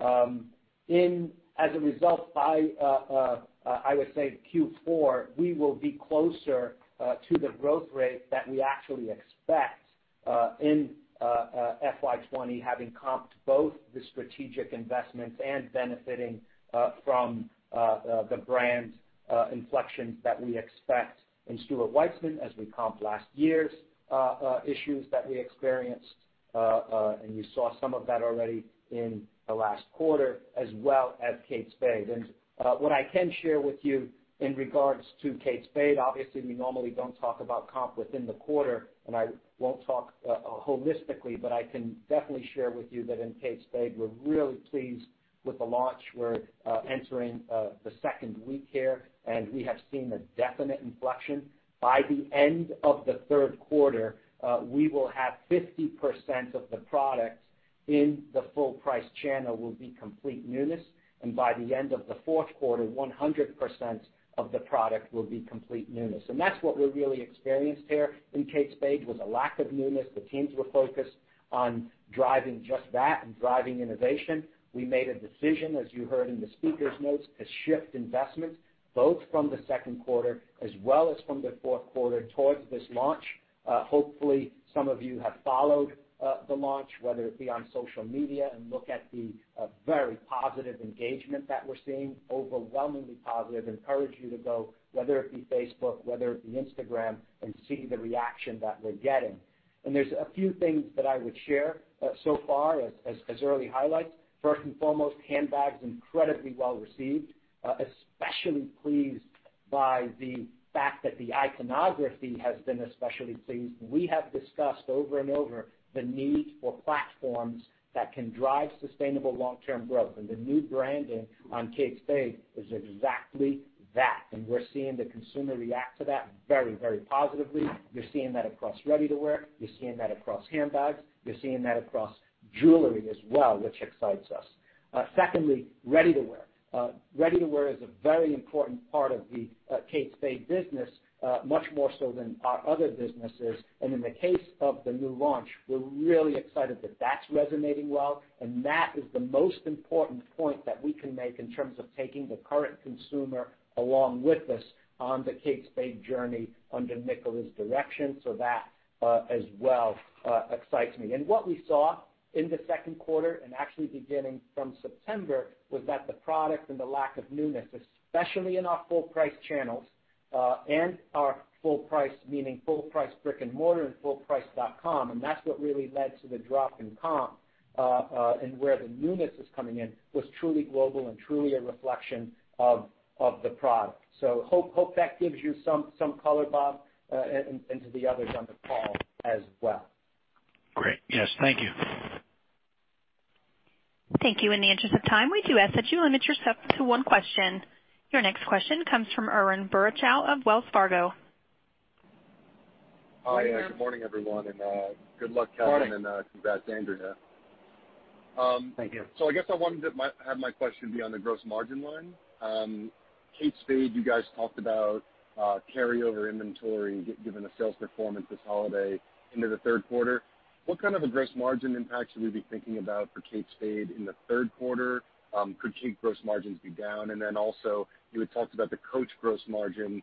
As a result, I would say Q4, we will be closer to the growth rate that we actually expect in FY 2020, having comped both the strategic investments and benefiting from the brand inflection that we expect in Stuart Weitzman as we comp last year's issues that we experienced, and you saw some of that already in the last quarter, as well as Kate Spade. What I can share with you in regards to Kate Spade, obviously, we normally don't talk about comp within the quarter, and I won't talk holistically, but I can definitely share with you that in Kate Spade, we're really pleased with the launch. We're entering the second week here, and we have seen a definite inflection. By the end of the third quarter, we will have 50% of the products in the full price channel will be complete newness, and by the end of the fourth quarter, 100% of the product will be complete newness. That's what we really experienced here in Kate Spade, was a lack of newness. The teams were focused on driving just that and driving innovation. We made a decision, as you heard in the speakers' notes, to shift investments both from the second quarter as well as from the fourth quarter towards this launch. Hopefully, some of you have followed the launch, whether it be on social media. Look at the very positive engagement that we're seeing. Overwhelmingly positive. Encourage you to go, whether it be Facebook, whether it be Instagram, and see the reaction that we're getting. There's a few things that I would share so far as early highlights. First and foremost, handbags incredibly well received. Especially pleased by the fact that the iconography has been especially pleased. We have discussed over and over the need for platforms that can drive sustainable long-term growth. The new branding on Kate Spade is exactly that. We're seeing the consumer react to that very positively. You're seeing that across ready-to-wear. You're seeing that across handbags. You're seeing that across jewelry as well, which excites us. Secondly, ready-to-wear. Ready-to-wear is a very important part of the Kate Spade business, much more so than our other businesses. In the case of the new launch, we're really excited that that's resonating well, and that is the most important point that we can make in terms of taking the current consumer along with us on the Kate Spade journey under Nicola's direction. That as well excites me. What we saw in the second quarter, and actually beginning from September, was that the product and the lack of newness, especially in our full price channels, and our full price, meaning full price brick and mortar and fullprice.com, and that's what really led to the drop in comp, and where the newness is coming in, was truly global and truly a reflection of the product. Hope that gives you some color, Bob, and to the others on the call as well. Great. Yes. Thank you. Thank you. In the interest of time, we do ask that you limit yourself to one question. Your next question comes from Ike Boruchow of Wells Fargo. Morning, Ike. Hi. Good morning, everyone, and good luck. Morning Kevin Wills, and congrats to Andrea. Thank you. I guess I wanted to have my question be on the gross margin line. Kate Spade, you guys talked about carryover inventory given the sales performance this holiday into the third quarter. What kind of a gross margin impact should we be thinking about for Kate Spade in the third quarter? Could Kate gross margins be down? Then also, you had talked about the Coach gross margin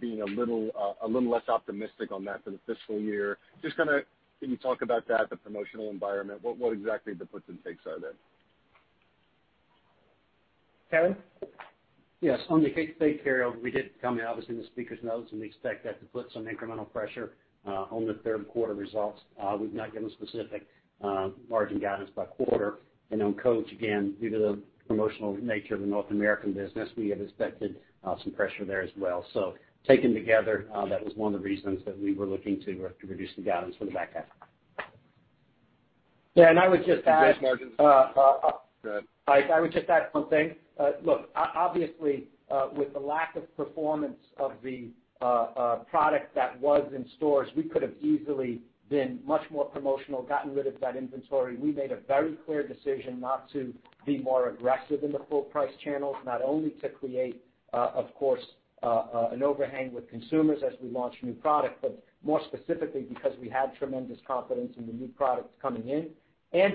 being a little less optimistic on that for the fiscal year. Can you talk about that, the promotional environment? What exactly the puts and takes are there? Kevin? Yes. On the Kate Spade carryover, we did comment obviously in the speakers notes, we expect that to put some incremental pressure on the third quarter results. We've not given specific margin guidance by quarter. On Coach, again, due to the promotional nature of the North American business, we have expected some pressure there as well. Taken together, that was one of the reasons that we were looking to reduce the guidance for the back half. Yeah, I would just add- Gross margins. Go ahead. Ike, I would just add one thing. Look, obviously, with the lack of performance of the product that was in stores, we could have easily been much more promotional, gotten rid of that inventory. We made a very clear decision not to be more aggressive in the full price channels. Not only to create, of course, an overhang with consumers as we launch new product, but more specifically because we had tremendous confidence in the new products coming in.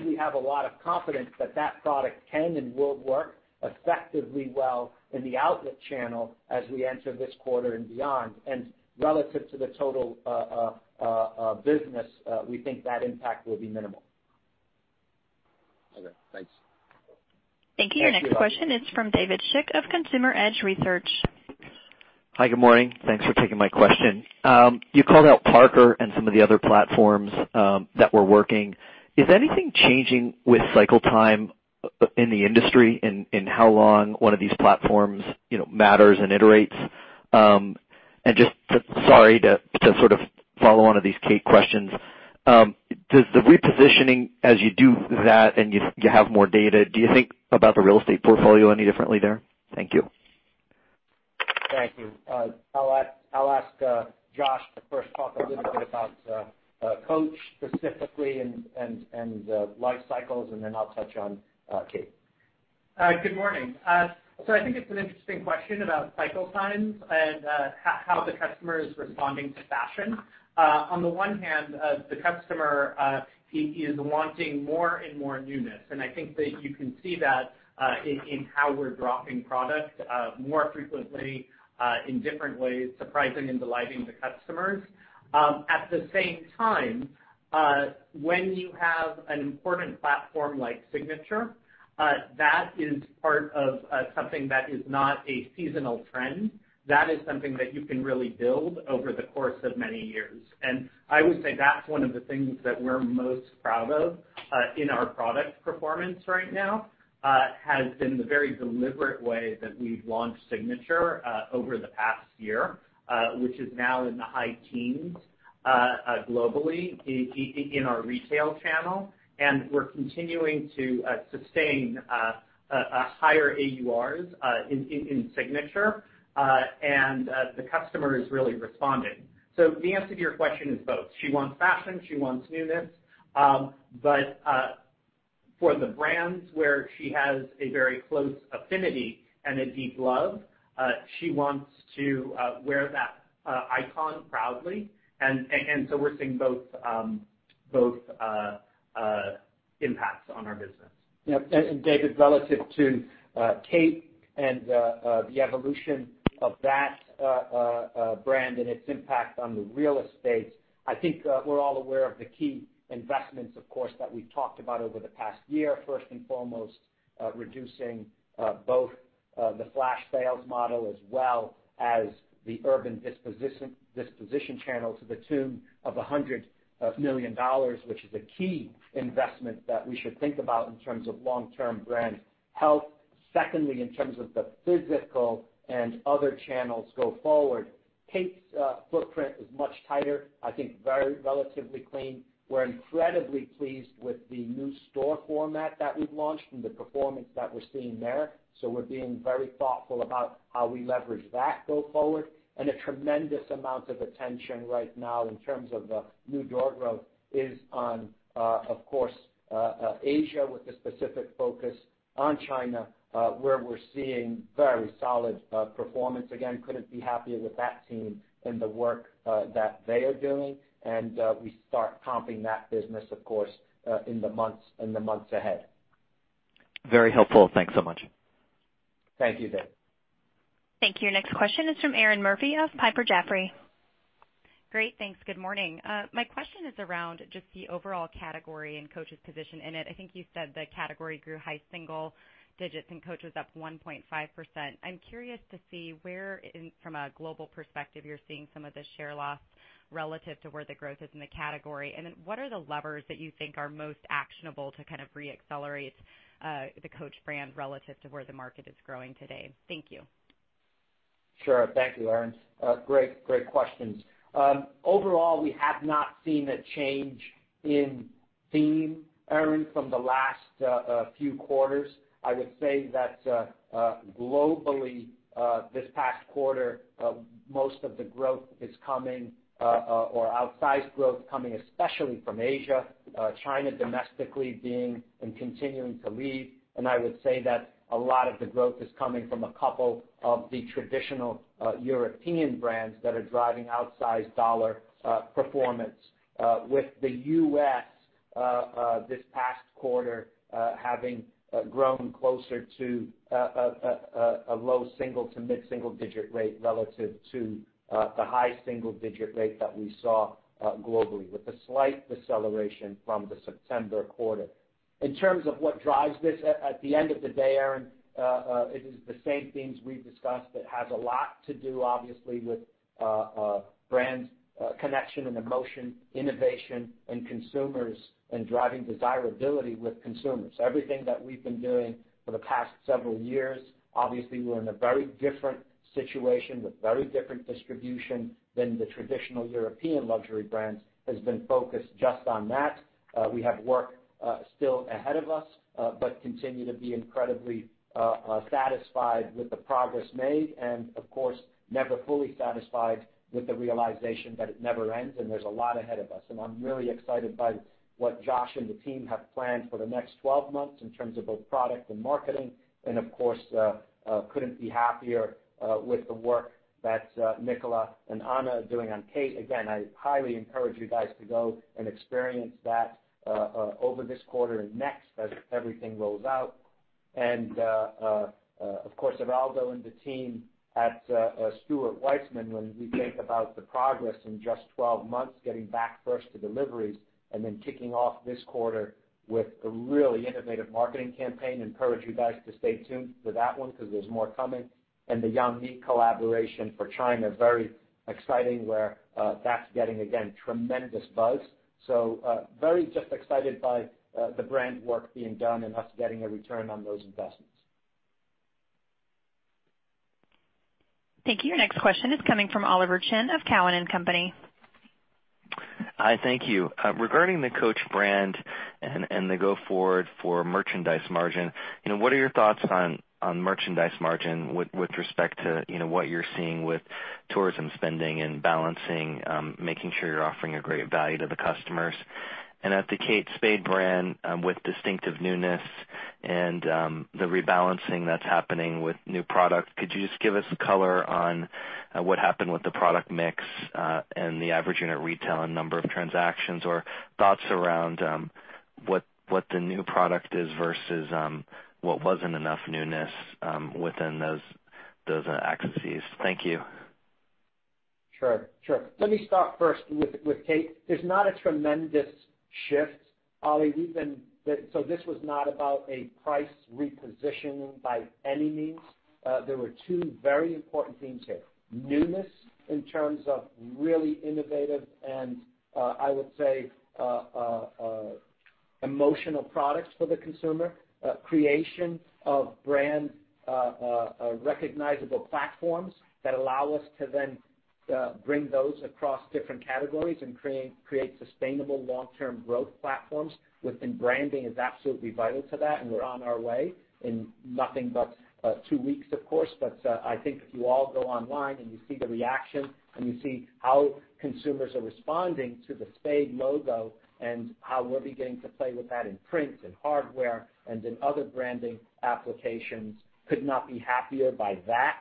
We have a lot of confidence that that product can and will work effectively well in the outlet channel as we enter this quarter and beyond. Relative to the total business, we think that impact will be minimal. Okay, thanks. Thank you. Your next question is from David Schick of Consumer Edge Research. Hi, good morning. Thanks for taking my question. You called out Parker and some of the other platforms that were working. Is anything changing with cycle time in the industry in how long one of these platforms matters and iterates? Sorry to sort of follow one of these Kate questions. Does the repositioning, as you do that and you have more data, do you think about the real estate portfolio any differently there? Thank you. Thank you. I'll ask Josh to first talk a little bit about Coach specifically and life cycles, and then I'll touch on Kate. Good morning. I think it's an interesting question about cycle times and how the customer is responding to fashion. On the one hand, the customer is wanting more and more newness, and I think that you can see that in how we're dropping product more frequently, in different ways, surprising and delighting the customers. At the same time, when you have an important platform like Signature, that is part of something that is not a seasonal trend. That is something that you can really build over the course of many years. I would say that's one of the things that we're most proud of in our product performance right now, has been the very deliberate way that we've launched Signature over the past year, which is now in the high teens globally in our retail channel. We're continuing to sustain higher AURs in Signature, and the customer is really responding. The answer to your question is both. She wants fashion, she wants newness. For the brands where she has a very close affinity and a deep love, she wants to wear that icon proudly. We're seeing both impacts on our business. Yep. David, relative to Kate and the evolution of that brand and its impact on the real estate, I think we're all aware of the key investments, of course, that we've talked about over the past year. First and foremost, reducing both the flash sales model as well as the urban disposition channel to the tune of $100 million, which is a key investment that we should think about in terms of long-term brand health. Secondly, in terms of the physical and other channels go forward, Kate's footprint is much tighter, I think very relatively clean. We're incredibly pleased with the new store format that we've launched and the performance that we're seeing there. We're being very thoughtful about how we leverage that go forward. A tremendous amount of attention right now in terms of the new door growth is on, of course, Asia with a specific focus on China, where we're seeing very solid performance. Again, couldn't be happier with that team and the work that they are doing. We start comping that business, of course, in the months ahead. Very helpful. Thanks so much. Thank you, David. Thank you. Your next question is from Erinn Murphy of Piper Jaffray. Great, thanks. Good morning. My question is around just the overall category and Coach's position in it. I think you said the category grew high single digits and Coach was up 1.5%. I'm curious to see where from a global perspective, you're seeing some of the share loss relative to where the growth is in the category. What are the levers that you think are most actionable to kind of re-accelerate the Coach brand relative to where the market is growing today? Thank you. Sure. Thank you, Erinn. Great questions. Overall, we have not seen a change in theme, Erinn, from the last few quarters. I would say that globally this past quarter, most of the growth is coming, or outsized growth coming especially from Asia. China domestically being and continuing to lead. I would say that a lot of the growth is coming from a couple of the traditional European brands that are driving outsized dollar performance. With the U.S. this past quarter having grown closer to a low single to mid-single digit rate relative to the high single-digit rate that we saw globally, with a slight deceleration from the September quarter. In terms of what drives this, at the end of the day, Erinn, it is the same themes we've discussed. It has a lot to do, obviously, with brand connection and emotion, innovation in consumers, and driving desirability with consumers. Everything that we've been doing for the past several years. Obviously, we're in a very different situation with very different distribution than the traditional European luxury brands, has been focused just on that. We have work still ahead of us, but continue to be incredibly satisfied with the progress made, of course, never fully satisfied with the realization that it never ends and there's a lot ahead of us. I'm really excited by what Josh and the team have planned for the next 12 months in terms of both product and marketing. Of course, couldn't be happier with the work that Nicola and Anna are doing on Kate. Again, I highly encourage you guys to go and experience that over this quarter and next as everything rolls out. Of course, Aldo and the team at Stuart Weitzman, when we think about the progress in just 12 months, getting back first to deliveries then kicking off this quarter with a really innovative marketing campaign. Encourage you guys to stay tuned for that one because there's more coming. The Yang Li collaboration for China, very exciting, where that's getting, again, tremendous buzz. Very just excited by the brand work being done and us getting a return on those investments. Thank you. Your next question is coming from Oliver Chen of Cowen and Company. Hi, thank you. Regarding the Coach brand and the go forward for merchandise margin, what are your thoughts on merchandise margin with respect to what you're seeing with tourism spending and balancing, making sure you're offering a great value to the customers? And at the Kate Spade brand, with distinctive newness and the rebalancing that's happening with new product, could you just give us color on what happened with the product mix, and the average unit retail and number of transactions? Or thoughts around what the new product is versus what wasn't enough newness within those axes. Thank you. Sure. Let me start first with Kate. There's not a tremendous shift, Oliver. This was not about a price reposition by any means. There were two very important themes here. Newness in terms of really innovative and, I would say, emotional products for the consumer. Creation of brand recognizable platforms that allow us to bring those across different categories and create sustainable long-term growth platforms within branding is absolutely vital to that, and we're on our way in nothing but two weeks, of course. I think if you all go online and you see the reaction and you see how consumers are responding to the Spade logo and how we're beginning to play with that in print and hardware and in other branding applications, could not be happier by that.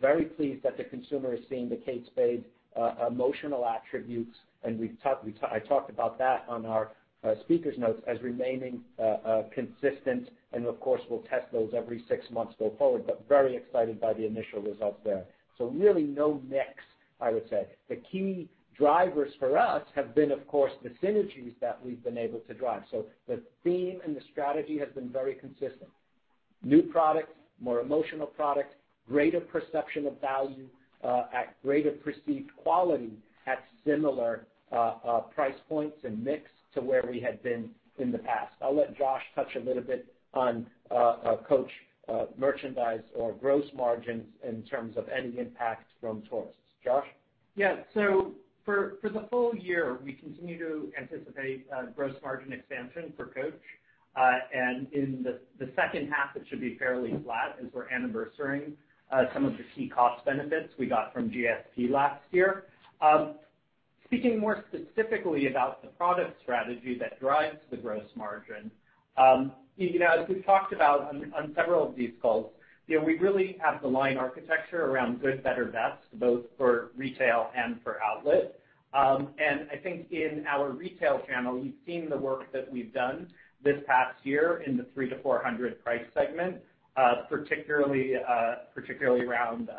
Very pleased that the consumer is seeing the Kate Spade emotional attributes, and I talked about that on our speaker's notes as remaining consistent, and of course, we'll test every six months going forward, but very excited by the initial results there. Really no mix, I would say. The key drivers for us have been, of course, the synergies that we've been able to drive. The theme and the strategy has been very consistent. New products, more emotional products, greater perception of value at greater perceived quality at similar price points and mix to where we had been in the past. I'll let Josh touch a little bit on Coach merchandise or gross margins in terms of any impact from tourists. Josh? Yeah. For the full year, we continue to anticipate gross margin expansion for Coach. In the second half, it should be fairly flat as we're anniversarying some of the key cost benefits we got from GSP last year. Speaking more specifically about the product strategy that drives the gross margin. As we've talked about on several of these calls, we really have the line architecture around good, better, best, both for retail and for outlet. I think in our retail channel, we've seen the work that we've done this past year in the 300-400 price segment, particularly around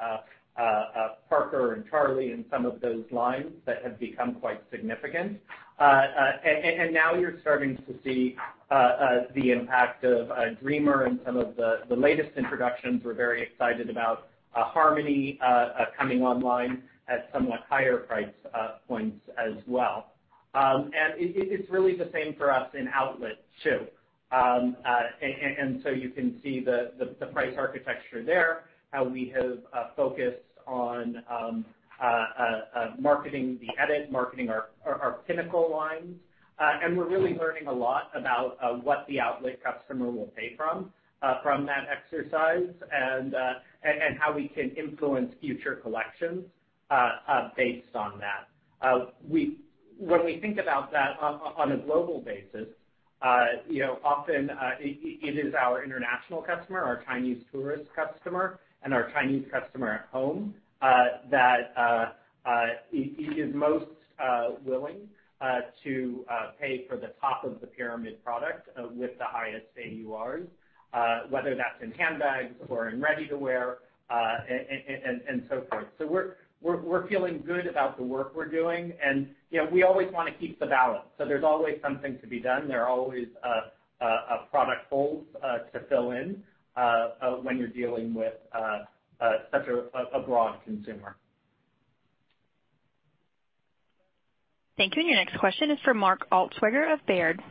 Parker and Charlie and some of those lines that have become quite significant. Now you're starting to see the impact of Dreamer and some of the latest introductions we're very excited about. Harmony coming online at somewhat higher price points as well. It's really the same for us in outlet, too. You can see the price architecture there, how we have focused on marketing The Edit, marketing our pinnacle lines. We're really learning a lot about what the outlet customer will pay from that exercise, and how we can influence future collections based on that. When we think about that on a global basis, often it is our international customer, our Chinese tourist customer, and our Chinese customer at home that is most willing to pay for the top of the pyramid product with the highest AURs, whether that's in handbags or in ready-to-wear and so forth. We're feeling good about the work we're doing, and we always want to keep the balance. There's always something to be done. There are always product holes to fill in when you're dealing with such a broad consumer. Thank you. Your next question is for Mark Altschwager of Baird.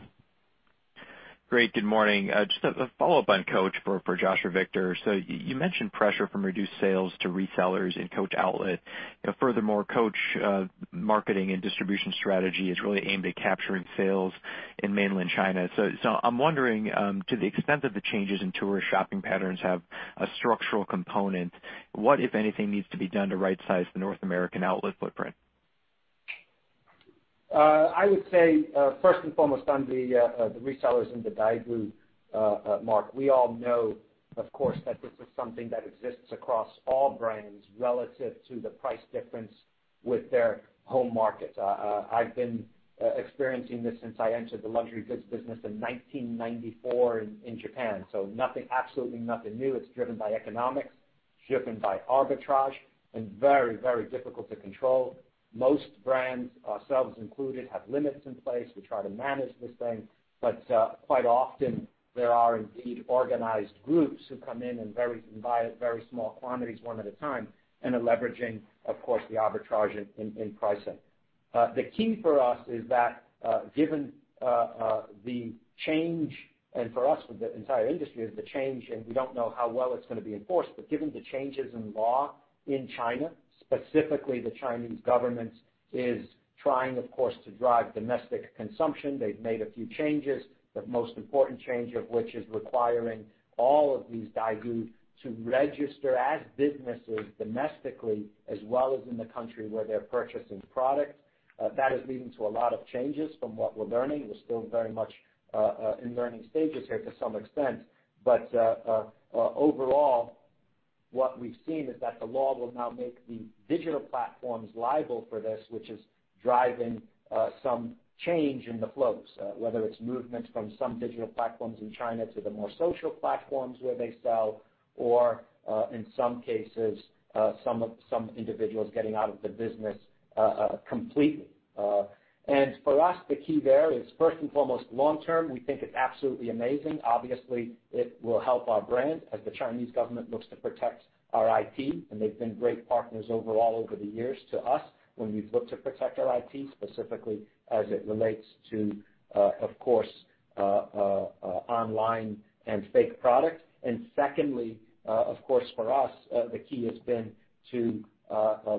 Great, good morning. Just a follow-up on Coach for Josh or Victor. You mentioned pressure from reduced sales to resellers in Coach Outlet. Furthermore, Coach marketing and distribution strategy is really aimed at capturing sales in mainland China. I'm wondering, to the extent that the changes in tourist shopping patterns have a structural component, what, if anything, needs to be done to right size the North American outlet footprint? I would say, first and foremost, on the resellers and the daigou market. We all know, of course, that this is something that exists across all brands relative to the price difference with their home market. I've been experiencing this since I entered the luxury goods business in 1994 in Japan, so absolutely nothing new. It's driven by economics, driven by arbitrage, and very difficult to control. Most brands, ourselves included, have limits in place. We try to manage this thing, but quite often there are indeed organized groups who come in and buy at very small quantities one at a time, and are leveraging, of course, the arbitrage in pricing. The key for us is that given the change, and for us with the entire industry, the change, and we don't know how well it's going to be enforced, but given the changes in law in China, specifically the Chinese government is trying, of course, to drive domestic consumption. They've made a few changes, the most important change of which is requiring all of these daigou to register as businesses domestically as well as in the country where they're purchasing products. That is leading to a lot of changes from what we're learning. We're still very much in learning stages here to some extent. Overall, what we've seen is that the law will now make the digital platforms liable for this, which is driving some change in the flows, whether it's movements from some digital platforms in China to the more social platforms where they sell. In some cases, some individuals getting out of the business completely. For us, the key there is, first and foremost, long term, we think it's absolutely amazing. Obviously, it will help our brand as the Chinese government looks to protect our IP, and they've been great partners overall over the years to us when we've looked to protect our IP, specifically as it relates to, of course, online and fake products. Secondly, of course, for us, the key has been to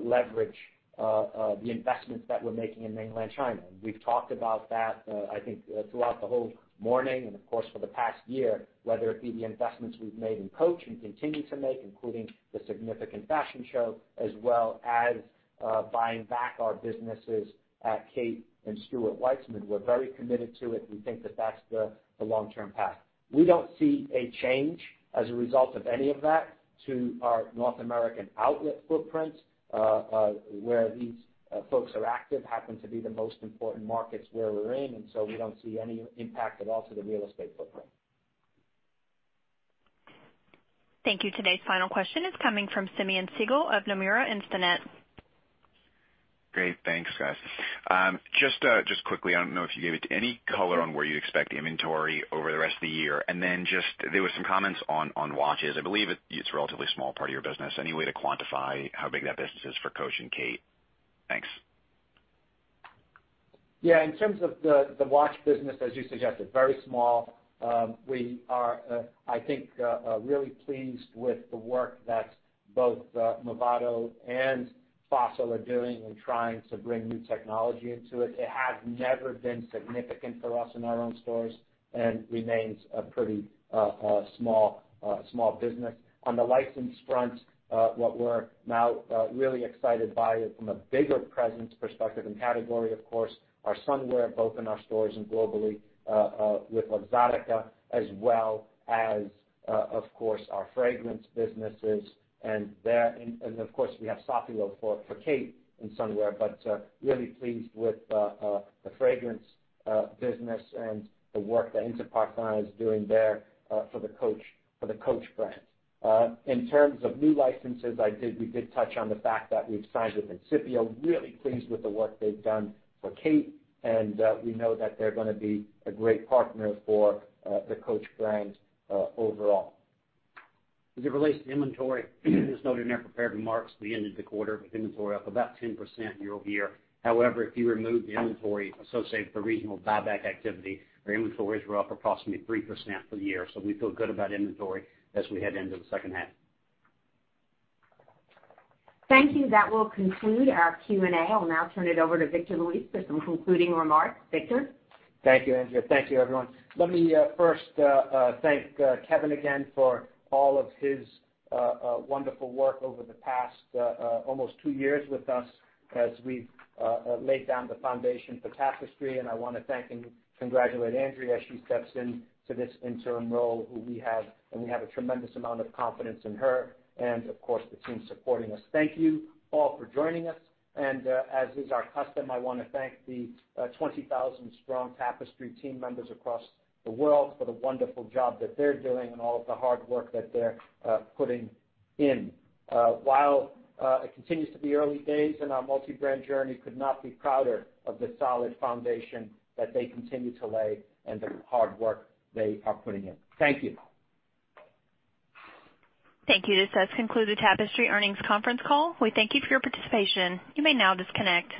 leverage the investments that we're making in mainland China. We've talked about that, I think, throughout the whole morning and of course, for the past year, whether it be the investments we've made in Coach and continue to make, including the significant fashion show, as well as buying back our businesses at Kate and Stuart Weitzman. We're very committed to it. We think that that's the long-term path. We don't see a change as a result of any of that to our North American outlet footprint. Where these folks are active happen to be the most important markets where we're in, we don't see any impact at all to the real estate footprint. Thank you. Today's final question is coming from Simeon Siegel of Nomura Instinet. Great. Thanks, guys. Just quickly, I don't know if you gave any color on where you expect the inventory over the rest of the year, there were some comments on watches. I believe it's a relatively small part of your business. Any way to quantify how big that business is for Coach and Kate? Thanks. Yeah. In terms of the watch business, as you suggested, very small. We are, I think, really pleased with the work that both Movado and Fossil are doing in trying to bring new technology into it. It has never been significant for us in our own stores and remains a pretty small business. On the license front, what we're now really excited by from a bigger presence perspective and category, of course, are swimwear, both in our stores and globally, with Lazada as well as, of course, our fragrance businesses. Of course, we have Safilo for Kate in swimwear, but really pleased with the fragrance business and the work that Interparfums is doing there for the Coach brand. In terms of new licenses, we did touch on the fact that we've signed with Incipio. Really pleased with the work they've done for Kate, and we know that they're going to be a great partner for the Coach brand overall. As it relates to inventory, just note in our prepared remarks, we ended the quarter with inventory up about 10% year-over-year. However, if you remove the inventory associated with the regional buyback activity, our inventories were up approximately 3% for the year. We feel good about inventory as we head into the second half. Thank you. That will conclude our Q&A. I will now turn it over to Victor Luis for some concluding remarks. Victor? Thank you, Andrea. Thank you, everyone. Let me first thank Kevin again for all of his wonderful work over the past almost two years with us as we've laid down the foundation for Tapestry, and I want to thank and congratulate Andrea as she steps into this interim role. We have a tremendous amount of confidence in her and, of course, the team supporting us. Thank you all for joining us. As is our custom, I want to thank the 20,000 strong Tapestry team members across the world for the wonderful job that they're doing and all of the hard work that they're putting in. While it continues to be early days in our multi-brand journey, could not be prouder of the solid foundation that they continue to lay and the hard work they are putting in. Thank you. Thank you. This does conclude the Tapestry earnings conference call. We thank you for your participation. You may now disconnect.